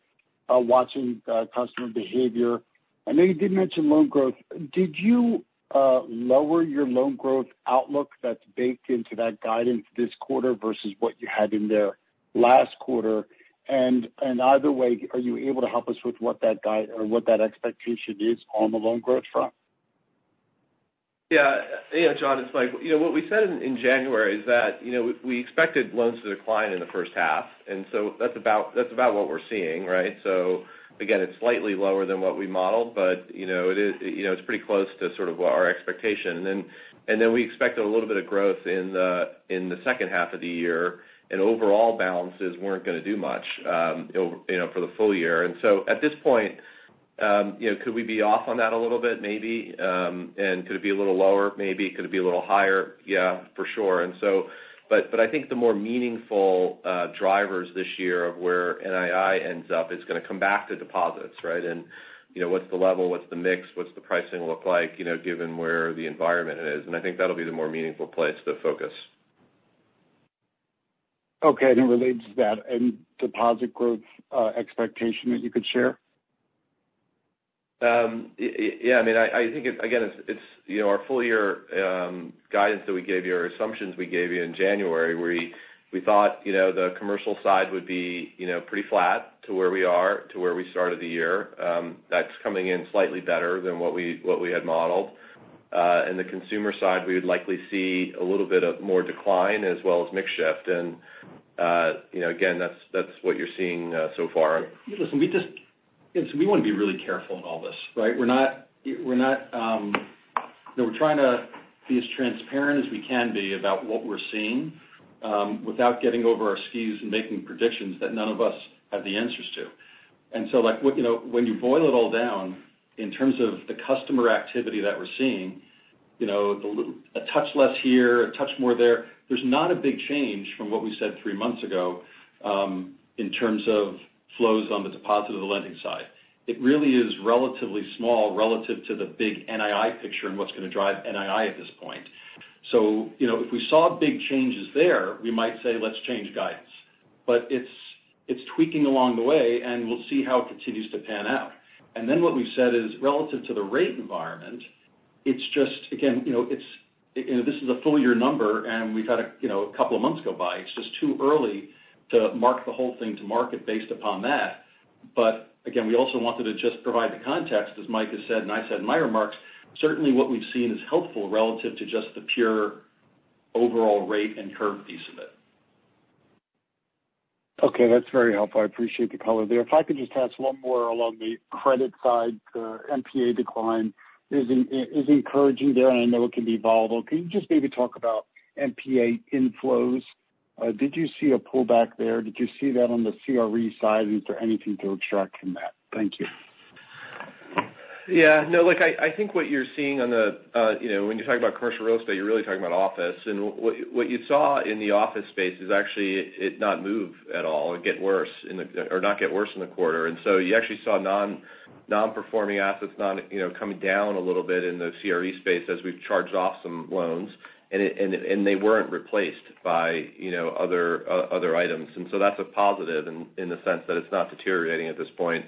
watching customer behavior. I know you did mention loan growth. Did you lower your loan growth outlook that's baked into that guide into this quarter versus what you had in there last quarter? And either way, are you able to help us with what that guide or what that expectation is on the loan growth front? Yeah. Yeah, John. It's Mike. What we said in January is that we expected loans to decline in the first half. And so that's about what we're seeing, right? So again, it's slightly lower than what we modeled, but it's pretty close to sort of what our expectation. And then we expected a little bit of growth in the second half of the year, and overall balances weren't going to do much for the full year. And so at this point, could we be off on that a little bit, maybe? And could it be a little lower, maybe? Could it be a little higher? Yeah, for sure. But I think the more meaningful drivers this year of where NII ends up is going to come back to deposits, right? And what's the level? What's the mix? What's the pricing look like given where the environment is? I think that'll be the more meaningful place to focus. Okay. It relates to that. Deposit growth expectation that you could share? Yeah. I mean, I think, again, it's our full year guidance that we gave you or assumptions we gave you in January, where we thought the commercial side would be pretty flat to where we are, to where we started the year. That's coming in slightly better than what we had modeled. In the consumer side, we would likely see a little bit of more decline as well as mix shift. And again, that's what you're seeing so far. Listen, we want to be really careful in all this, right? We're not trying to be as transparent as we can be about what we're seeing without getting over our skis and making predictions that none of us have the answers to. And so when you boil it all down in terms of the customer activity that we're seeing, a touch less here, a touch more there, there's not a big change from what we said three months ago in terms of flows on the deposit of the lending side. It really is relatively small relative to the big NII picture and what's going to drive NII at this point. So if we saw big changes there, we might say, "Let's change guidance." But it's tweaking along the way, and we'll see how it continues to pan out. Then what we've said is, relative to the rate environment, it's just again, this is a full year number, and we've had a couple of months go by. It's just too early to mark the whole thing to market based upon that. But again, we also wanted to just provide the context, as Mike has said and I said in my remarks. Certainly, what we've seen is helpful relative to just the pure overall rate and curve piece of it. Okay. That's very helpful. I appreciate the color there. If I could just ask one more along the credit side, the NPA decline is encouraging there, and I know it can be volatile. Can you just maybe talk about NPA inflows? Did you see a pullback there? Did you see that on the CRE side, and is there anything to extract from that? Thank you. Yeah. No. I think what you're seeing on the when you talk about commercial real estate, you're really talking about office. And what you saw in the office space is actually it not move at all or get worse or not get worse in the quarter. And so you actually saw non-performing assets coming down a little bit in the CRE space as we've charged off some loans, and they weren't replaced by other items. And so that's a positive in the sense that it's not deteriorating at this point.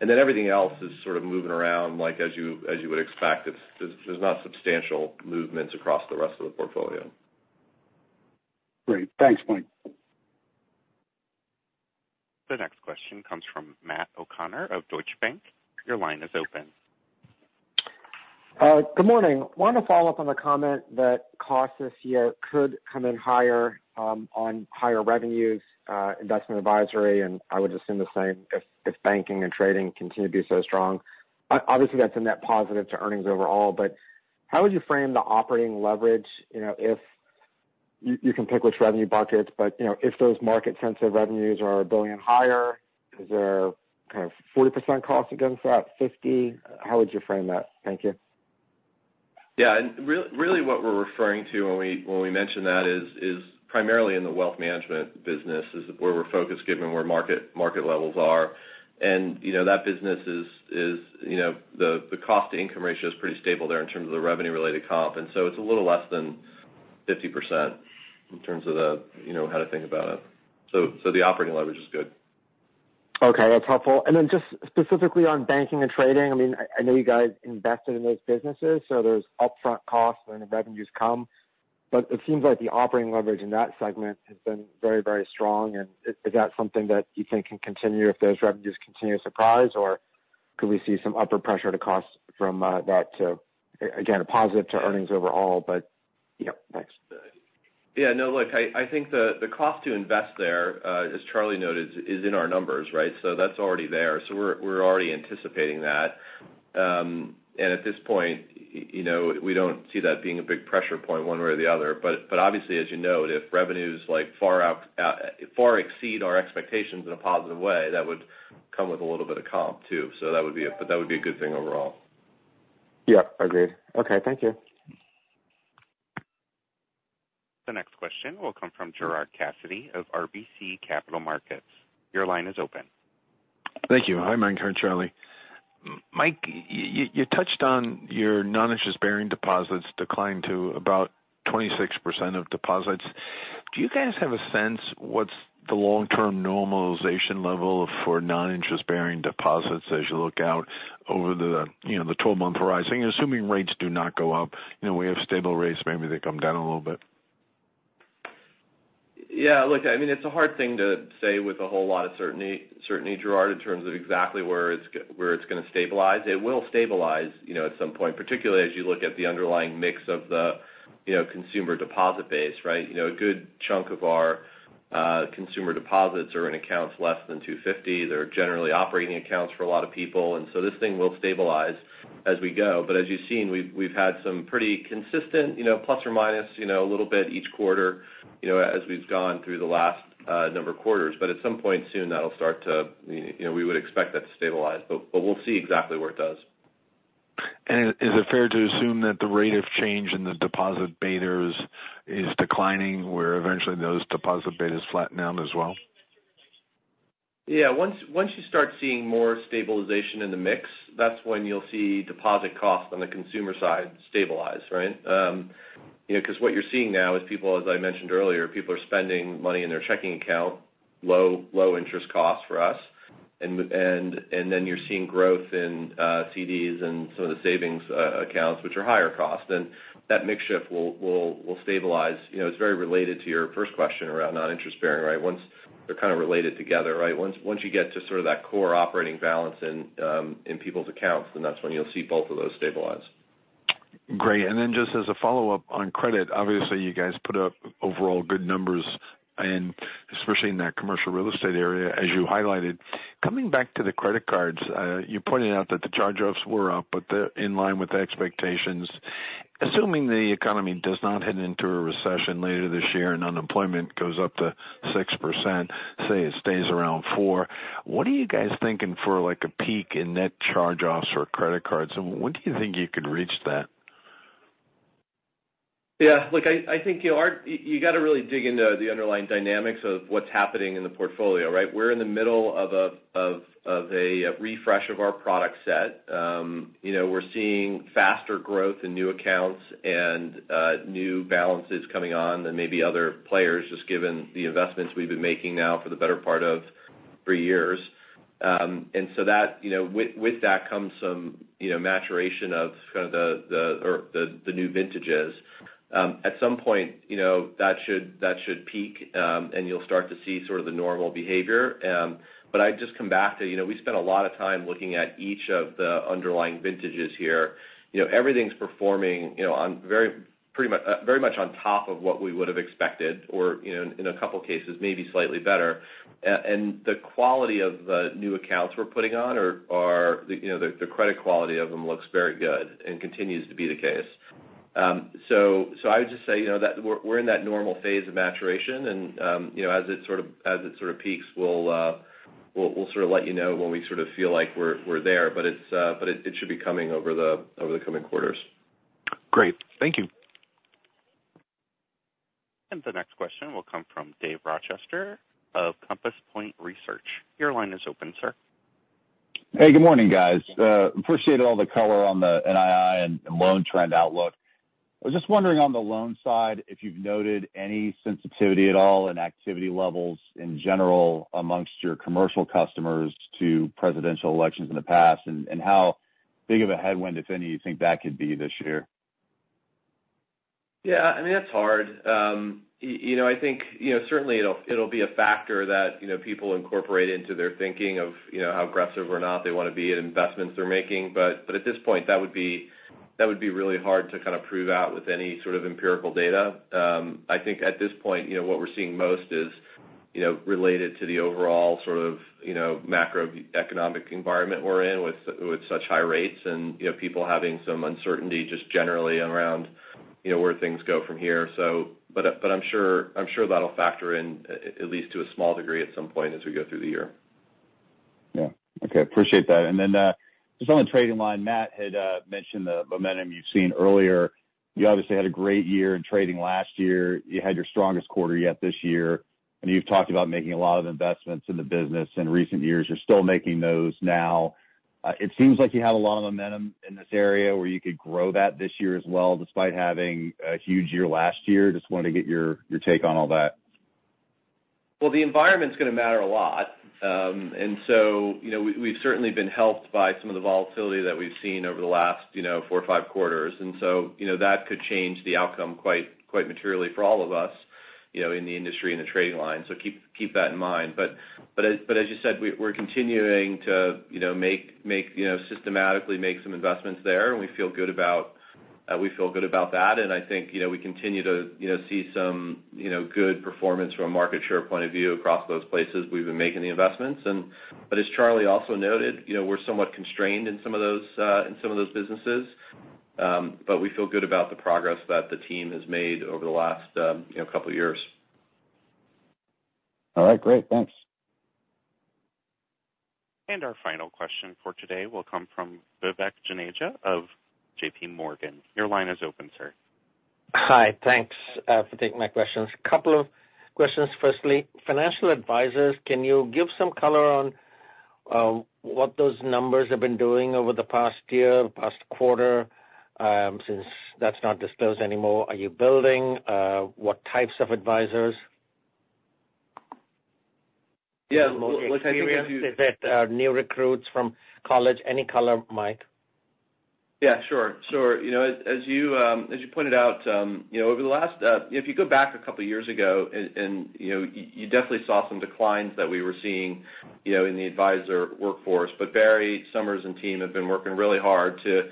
And then everything else is sort of moving around as you would expect. There's not substantial movements across the rest of the portfolio. Great. Thanks, Mike. The next question comes from Matt O'Connor of Deutsche Bank. Your line is open. Good morning. Want to follow up on the comment that costs this year could come in higher on higher revenues, investment advisory, and I would assume the same if banking and trading continue to be so strong. Obviously, that's a net positive to earnings overall. But how would you frame the operating leverage if you can pick which revenue buckets, but if those market-sensitive revenues are $1 billion higher, is there kind of 40% cost against that, 50%? How would you frame that? Thank you. Yeah. Really, what we're referring to when we mention that is primarily in the wealth management business, is where we're focused given where market levels are. That business is the cost-to-income ratio is pretty stable there in terms of the revenue-related comp. So it's a little less than 50% in terms of how to think about it. The operating leverage is good. Okay. That's helpful. And then just specifically on banking and trading, I mean, I know you guys invested in those businesses, so there's upfront costs when the revenues come. But it seems like the operating leverage in that segment has been very, very strong. And is that something that you think can continue if those revenues continue to surprise, or could we see some upward pressure on costs from that, too, again a positive to earnings overall? But yeah, thanks. Yeah. No. Look, I think the cost to invest there, as Charlie noted, is in our numbers, right? So that's already there. So we're already anticipating that. And at this point, we don't see that being a big pressure point one way or the other. But obviously, as you note, if revenues far exceed our expectations in a positive way, that would come with a little bit of comp too. So that would be a but that would be a good thing overall. Yeah. Agreed. Okay. Thank you. The next question will come from Gerard Cassidy of RBC Capital Markets. Your line is open. Thank you. Hi, Mike and Charlie. Mike, you touched on your non-interest-bearing deposits decline to about 26% of deposits. Do you guys have a sense what's the long-term normalization level for non-interest-bearing deposits as you look out over the 12-month horizon? Assuming rates do not go up, we have stable rates, maybe they come down a little bit. Yeah. Look, I mean, it's a hard thing to say with a whole lot of certainty, Gerard, in terms of exactly where it's going to stabilize. It will stabilize at some point, particularly as you look at the underlying mix of the consumer deposit base, right? A good chunk of our consumer deposits are in accounts less than $250. They're generally operating accounts for a lot of people. And so this thing will stabilize as we go. But as you've seen, we've had some pretty consistent plus or minus a little bit each quarter as we've gone through the last number of quarters. But at some point soon, that'll start to we would expect that to stabilize. But we'll see exactly where it does. Is it fair to assume that the rate of change in the deposit betas is declining where eventually those deposit betas flatten out as well? Yeah. Once you start seeing more stabilization in the mix, that's when you'll see deposit costs on the consumer side stabilize, right? Because what you're seeing now is people, as I mentioned earlier, people are spending money in their checking account, low interest costs for us. And then you're seeing growth in CDs and some of the savings accounts, which are higher costs. And that mix shift will stabilize. It's very related to your first question around non-interest bearing, right? They're kind of related together, right? Once you get to sort of that core operating balance in people's accounts, then that's when you'll see both of those stabilize. Great. And then just as a follow-up on credit, obviously, you guys put up overall good numbers, especially in that commercial real estate area, as you highlighted. Coming back to the credit cards, you pointed out that the charge-offs were up, but they're in line with expectations. Assuming the economy does not head into a recession later this year and unemployment goes up to 6%, say it stays around 4%, what are you guys thinking for a peak in net charge-offs for credit cards? And when do you think you could reach that? Yeah. Look, I think you got to really dig into the underlying dynamics of what's happening in the portfolio, right? We're in the middle of a refresh of our product set. We're seeing faster growth in new accounts and new balances coming on than maybe other players, just given the investments we've been making now for the better part of three years. And so with that comes some maturation of kind of the new vintages. At some point, that should peak, and you'll start to see sort of the normal behavior. But I'd just come back to we spent a lot of time looking at each of the underlying vintages here. Everything's performing pretty much on top of what we would have expected or, in a couple of cases, maybe slightly better. The quality of the new accounts we're putting on or the credit quality of them looks very good and continues to be the case. So I would just say that we're in that normal phase of maturation. And as it sort of peaks, we'll sort of let you know when we sort of feel like we're there. But it should be coming over the coming quarters. Great. Thank you. The next question will come from Dave Rochester of Compass Point Research. Your line is open, sir. Hey. Good morning, guys. Appreciate all the color on the NII and loan trend outlook. I was just wondering on the loan side if you've noted any sensitivity at all in activity levels in general amongst your commercial customers to presidential elections in the past and how big of a headwind, if any, you think that could be this year. Yeah. I mean, that's hard. I think certainly, it'll be a factor that people incorporate into their thinking of how aggressive or not they want to be at investments they're making. But at this point, that would be really hard to kind of prove out with any sort of empirical data. I think at this point, what we're seeing most is related to the overall sort of macroeconomic environment we're in with such high rates and people having some uncertainty just generally around where things go from here. But I'm sure that'll factor in at least to a small degree at some point as we go through the year. Yeah. Okay. Appreciate that. And then just on the trading line, Matt had mentioned the momentum you've seen earlier. You obviously had a great year in trading last year. You had your strongest quarter yet this year. And you've talked about making a lot of investments in the business in recent years. You're still making those now. It seems like you have a lot of momentum in this area where you could grow that this year as well despite having a huge year last year. Just wanted to get your take on all that. Well, the environment's going to matter a lot. And so we've certainly been helped by some of the volatility that we've seen over the last 4 or 5 quarters. And so that could change the outcome quite materially for all of us in the industry and the trading line. So keep that in mind. But as you said, we're continuing to systematically make some investments there, and we feel good about we feel good about that. And I think we continue to see some good performance from a market share point of view across those places we've been making the investments. But as Charlie also noted, we're somewhat constrained in some of those businesses, but we feel good about the progress that the team has made over the last couple of years. All right. Great. Thanks. Our final question for today will come from Vivek Juneja of J.P. Morgan. Your line is open, sir. Hi. Thanks for taking my questions. A couple of questions. Firstly, financial advisors, can you give some color on what those numbers have been doing over the past year, past quarter since that's not disclosed anymore? Are you building? What types of advisors? Yeah. Look, I think as you. Can you answer that? New recruits from college, any color, Mike? Yeah. Sure. Sure. As you pointed out, over the last if you go back a couple of years ago, and you definitely saw some declines that we were seeing in the advisor workforce. But Barry Sommers and team have been working really hard to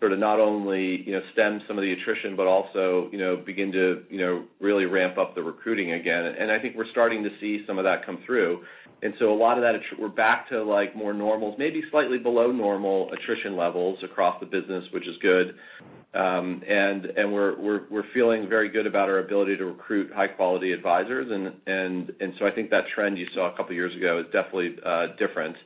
sort of not only stem some of the attrition but also begin to really ramp up the recruiting again. And I think we're starting to see some of that come through. And so a lot of that we're back to more normal, maybe slightly below normal attrition levels across the business, which is good. And we're feeling very good about our ability to recruit high-quality advisors. And so I think that trend you saw a couple of years ago is definitely different.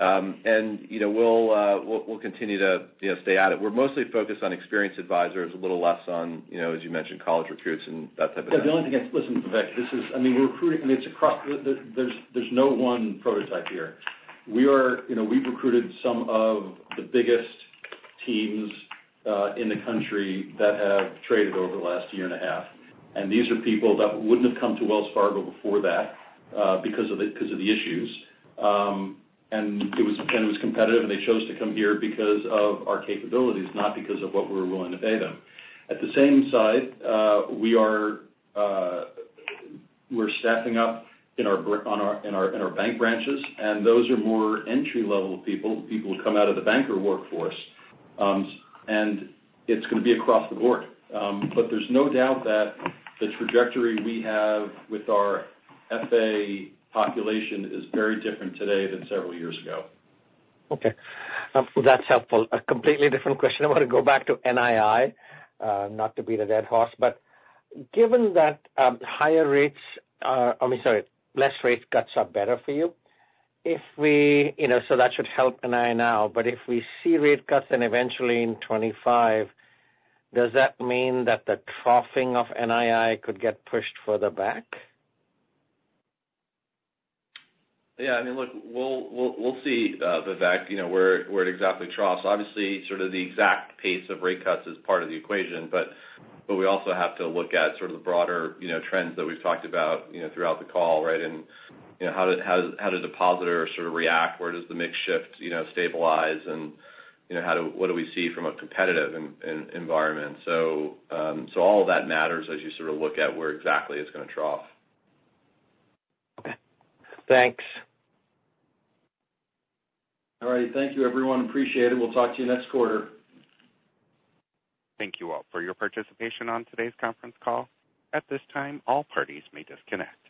And we'll continue to stay at it. We're mostly focused on experienced advisors, a little less on, as you mentioned, college recruits and that type of thing. Yeah. The only thing, listen, Vivek, this is, I mean, we're recruiting. I mean, it's across. There's no one prototype here. We've recruited some of the biggest teams in the country that have traded over the last year and a half. And these are people that wouldn't have come to Wells Fargo before that because of the issues. And it was competitive, and they chose to come here because of our capabilities, not because of what we were willing to pay them. At the same time, we're staffing up in our bank branches, and those are more entry-level people, people who come out of the banker workforce. And it's going to be across the board. But there's no doubt that the trajectory we have with our FA population is very different today than several years ago. Okay. Well, that's helpful. A completely different question. I want to go back to NII, not to beat a dead horse. But given that higher rates are I mean, sorry, less rate cuts are better for you. So that should help NII now. But if we see rate cuts then eventually in 2025, does that mean that the troughing of NII could get pushed further back? Yeah. I mean, look, we'll see, Vivek. We're at exactly trough. So obviously, sort of the exact pace of rate cuts is part of the equation. But we also have to look at sort of the broader trends that we've talked about throughout the call, right? And how does a depositor sort of react? Where does the mix shift stabilize? And what do we see from a competitive environment? So all of that matters as you sort of look at where exactly it's going to trough. Okay. Thanks. All righty. Thank you, everyone. Appreciate it. We'll talk to you next quarter. Thank you all for your participation on today's conference call. At this time, all parties may disconnect.